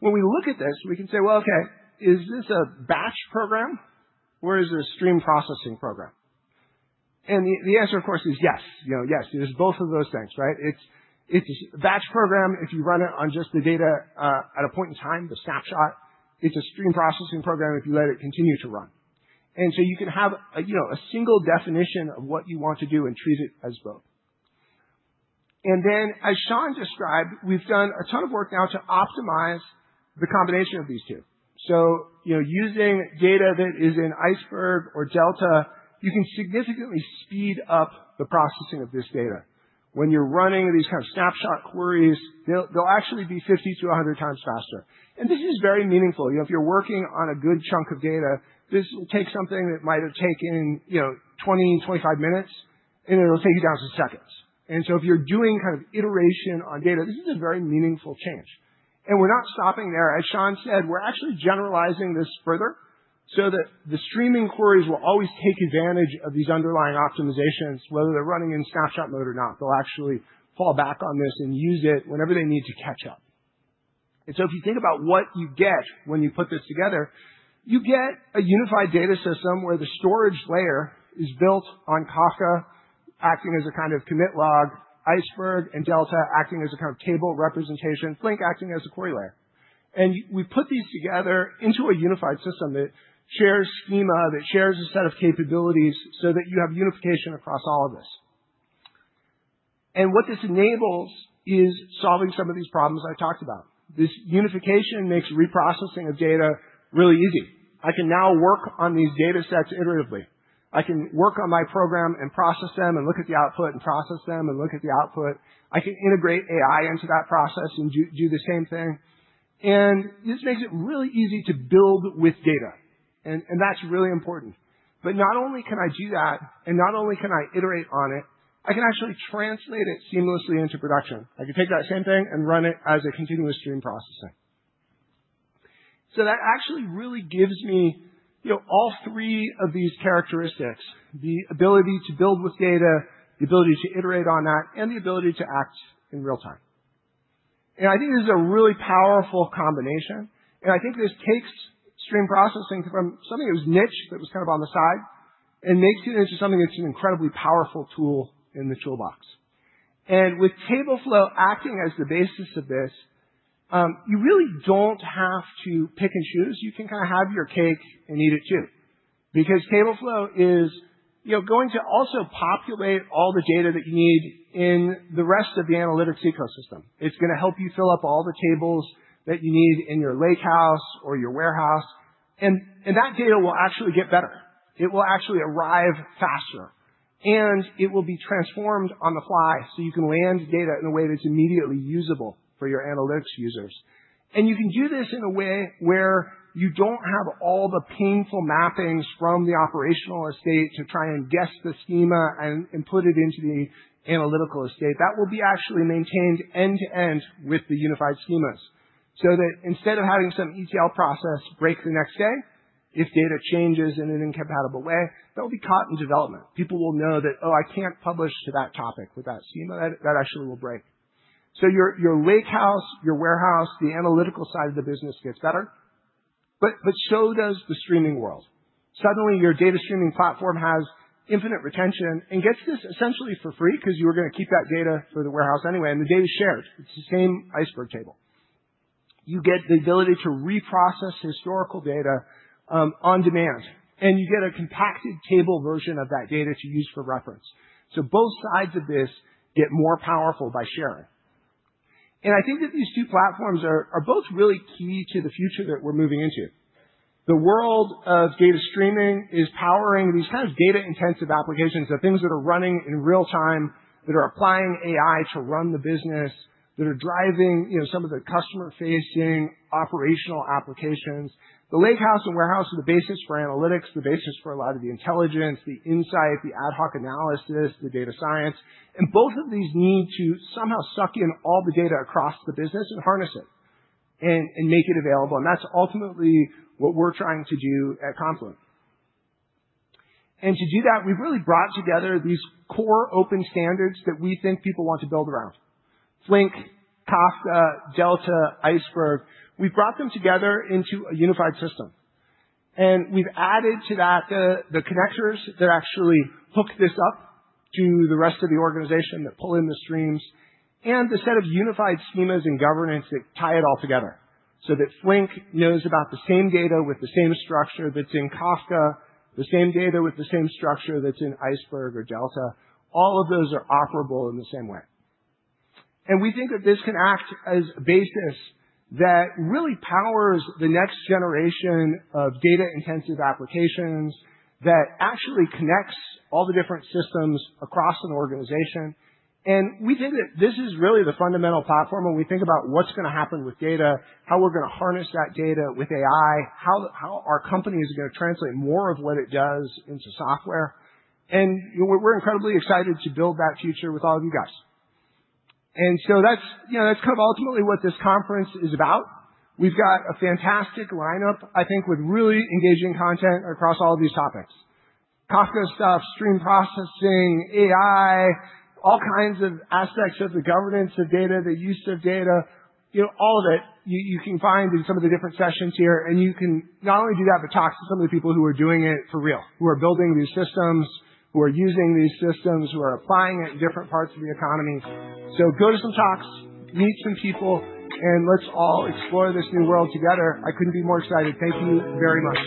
When we look at this, we can say, well, okay, is this a batch program or is it a stream processing program? The answer, of course, is yes. Yes, it is both of those things. It's a batch program if you run it on just the data at a point in time, the snapshot. It's a stream processing program if you let it continue to run. You can have a single definition of what you want to do and treat it as both. Then, as Shaun described, we've done a ton of work now to optimize the combination of these two. Using data that is in Iceberg or Delta, you can significantly speed up the processing of this data. When you're running these kind of snapshot queries, they'll actually be 50-100 times faster. This is very meaningful. If you're working on a good chunk of data, this will take something that might have taken 20-25 minutes, and it'll take you down to seconds. So if you're doing kind of iteration on data, this is a very meaningful change. We're not stopping there. As Shaun said, we're actually generalizing this further so that the streaming queries will always take advantage of these underlying optimizations, whether they're running in snapshot mode or not. They'll actually fall back on this and use it whenever they need to catch up. And so if you think about what you get when you put this together, you get a unified data system where the storage layer is built on Kafka, acting as a kind of commit log, Iceberg and Delta, acting as a kind of table representation, Flink acting as a query layer. And we put these together into a unified system that shares schema, that shares a set of capabilities so that you have unification across all of this. And what this enables is solving some of these problems I talked about. This unification makes reprocessing of data really easy. I can now work on these data sets iteratively. I can work on my program and process them and look at the output and process them and look at the output. I can integrate AI into that process and do the same thing. This makes it really easy to build with data. That's really important. Not only can I do that, and not only can I iterate on it, I can actually translate it seamlessly into production. I can take that same thing and run it as a continuous stream processing. That actually really gives me all three of these characteristics, the ability to build with data, the ability to iterate on that, and the ability to act in real time. I think this is a really powerful combination. I think this takes stream processing from something that was niche, that was kind of on the side, and makes it into something that's an incredibly powerful tool in the toolbox. With TableFlow acting as the basis of this, you really don't have to pick and choose. You can kind of have your cake and eat it too, because TableFlow is going to also populate all the data that you need in the rest of the analytics ecosystem. It's going to help you fill up all the tables that you need in your lakehouse or your warehouse, and that data will actually get better. It will actually arrive faster, and it will be transformed on the fly so you can land data in a way that's immediately usable for your analytics users, and you can do this in a way where you don't have all the painful mappings from the operational estate to try and guess the schema and put it into the analytical estate. That will be actually maintained end to end with the unified schemas so that instead of having some ETL process break the next day, if data changes in an incompatible way, that will be caught in development. People will know that, oh, I can't publish to that topic with that schema. That actually will break. So your lakehouse, your warehouse, the analytical side of the business gets better, but so does the streaming world. Suddenly, your data streaming platform has infinite retention and gets this essentially for free because you were going to keep that data for the warehouse anyway. And the data is shared. It's the same Iceberg table. You get the ability to reprocess historical data on demand, and you get a compacted table version of that data to use for reference. So both sides of this get more powerful by sharing. I think that these two platforms are both really key to the future that we're moving into. The world of data streaming is powering these kind of data-intensive applications, the things that are running in real time, that are applying AI to run the business, that are driving some of the customer-facing operational applications. The lakehouse and warehouse are the basis for analytics, the basis for a lot of the intelligence, the insight, the ad hoc analysis, the data science. Both of these need to somehow suck in all the data across the business and harness it and make it available. That's ultimately what we're trying to do at Confluent. To do that, we've really brought together these core open standards that we think people want to build around: Flink, Kafka, Delta, Iceberg. We've brought them together into a unified system. We've added to that the connectors that actually hook this up to the rest of the organization that pull in the streams and the set of unified schemas and governance that tie it all together so that Flink knows about the same data with the same structure that's in Kafka, the same data with the same structure that's in Iceberg or Delta. All of those are operable in the same way. We think that this can act as a basis that really powers the next generation of data-intensive applications that actually connects all the different systems across an organization. We think that this is really the fundamental platform when we think about what's going to happen with data, how we're going to harness that data with AI, how our company is going to translate more of what it does into software. And we're incredibly excited to build that future with all of you guys. And so that's kind of ultimately what this conference is about. We've got a fantastic lineup, I think, with really engaging content across all of these topics: Kafka stuff, stream processing, AI, all kinds of aspects of the governance of data, the use of data, all of it. You can find in some of the different sessions here. And you can not only do that, but talk to some of the people who are doing it for real, who are building these systems, who are using these systems, who are applying it in different parts of the economy. So go to some talks, meet some people, and let's all explore this new world together. I couldn't be more excited. Thank you very much.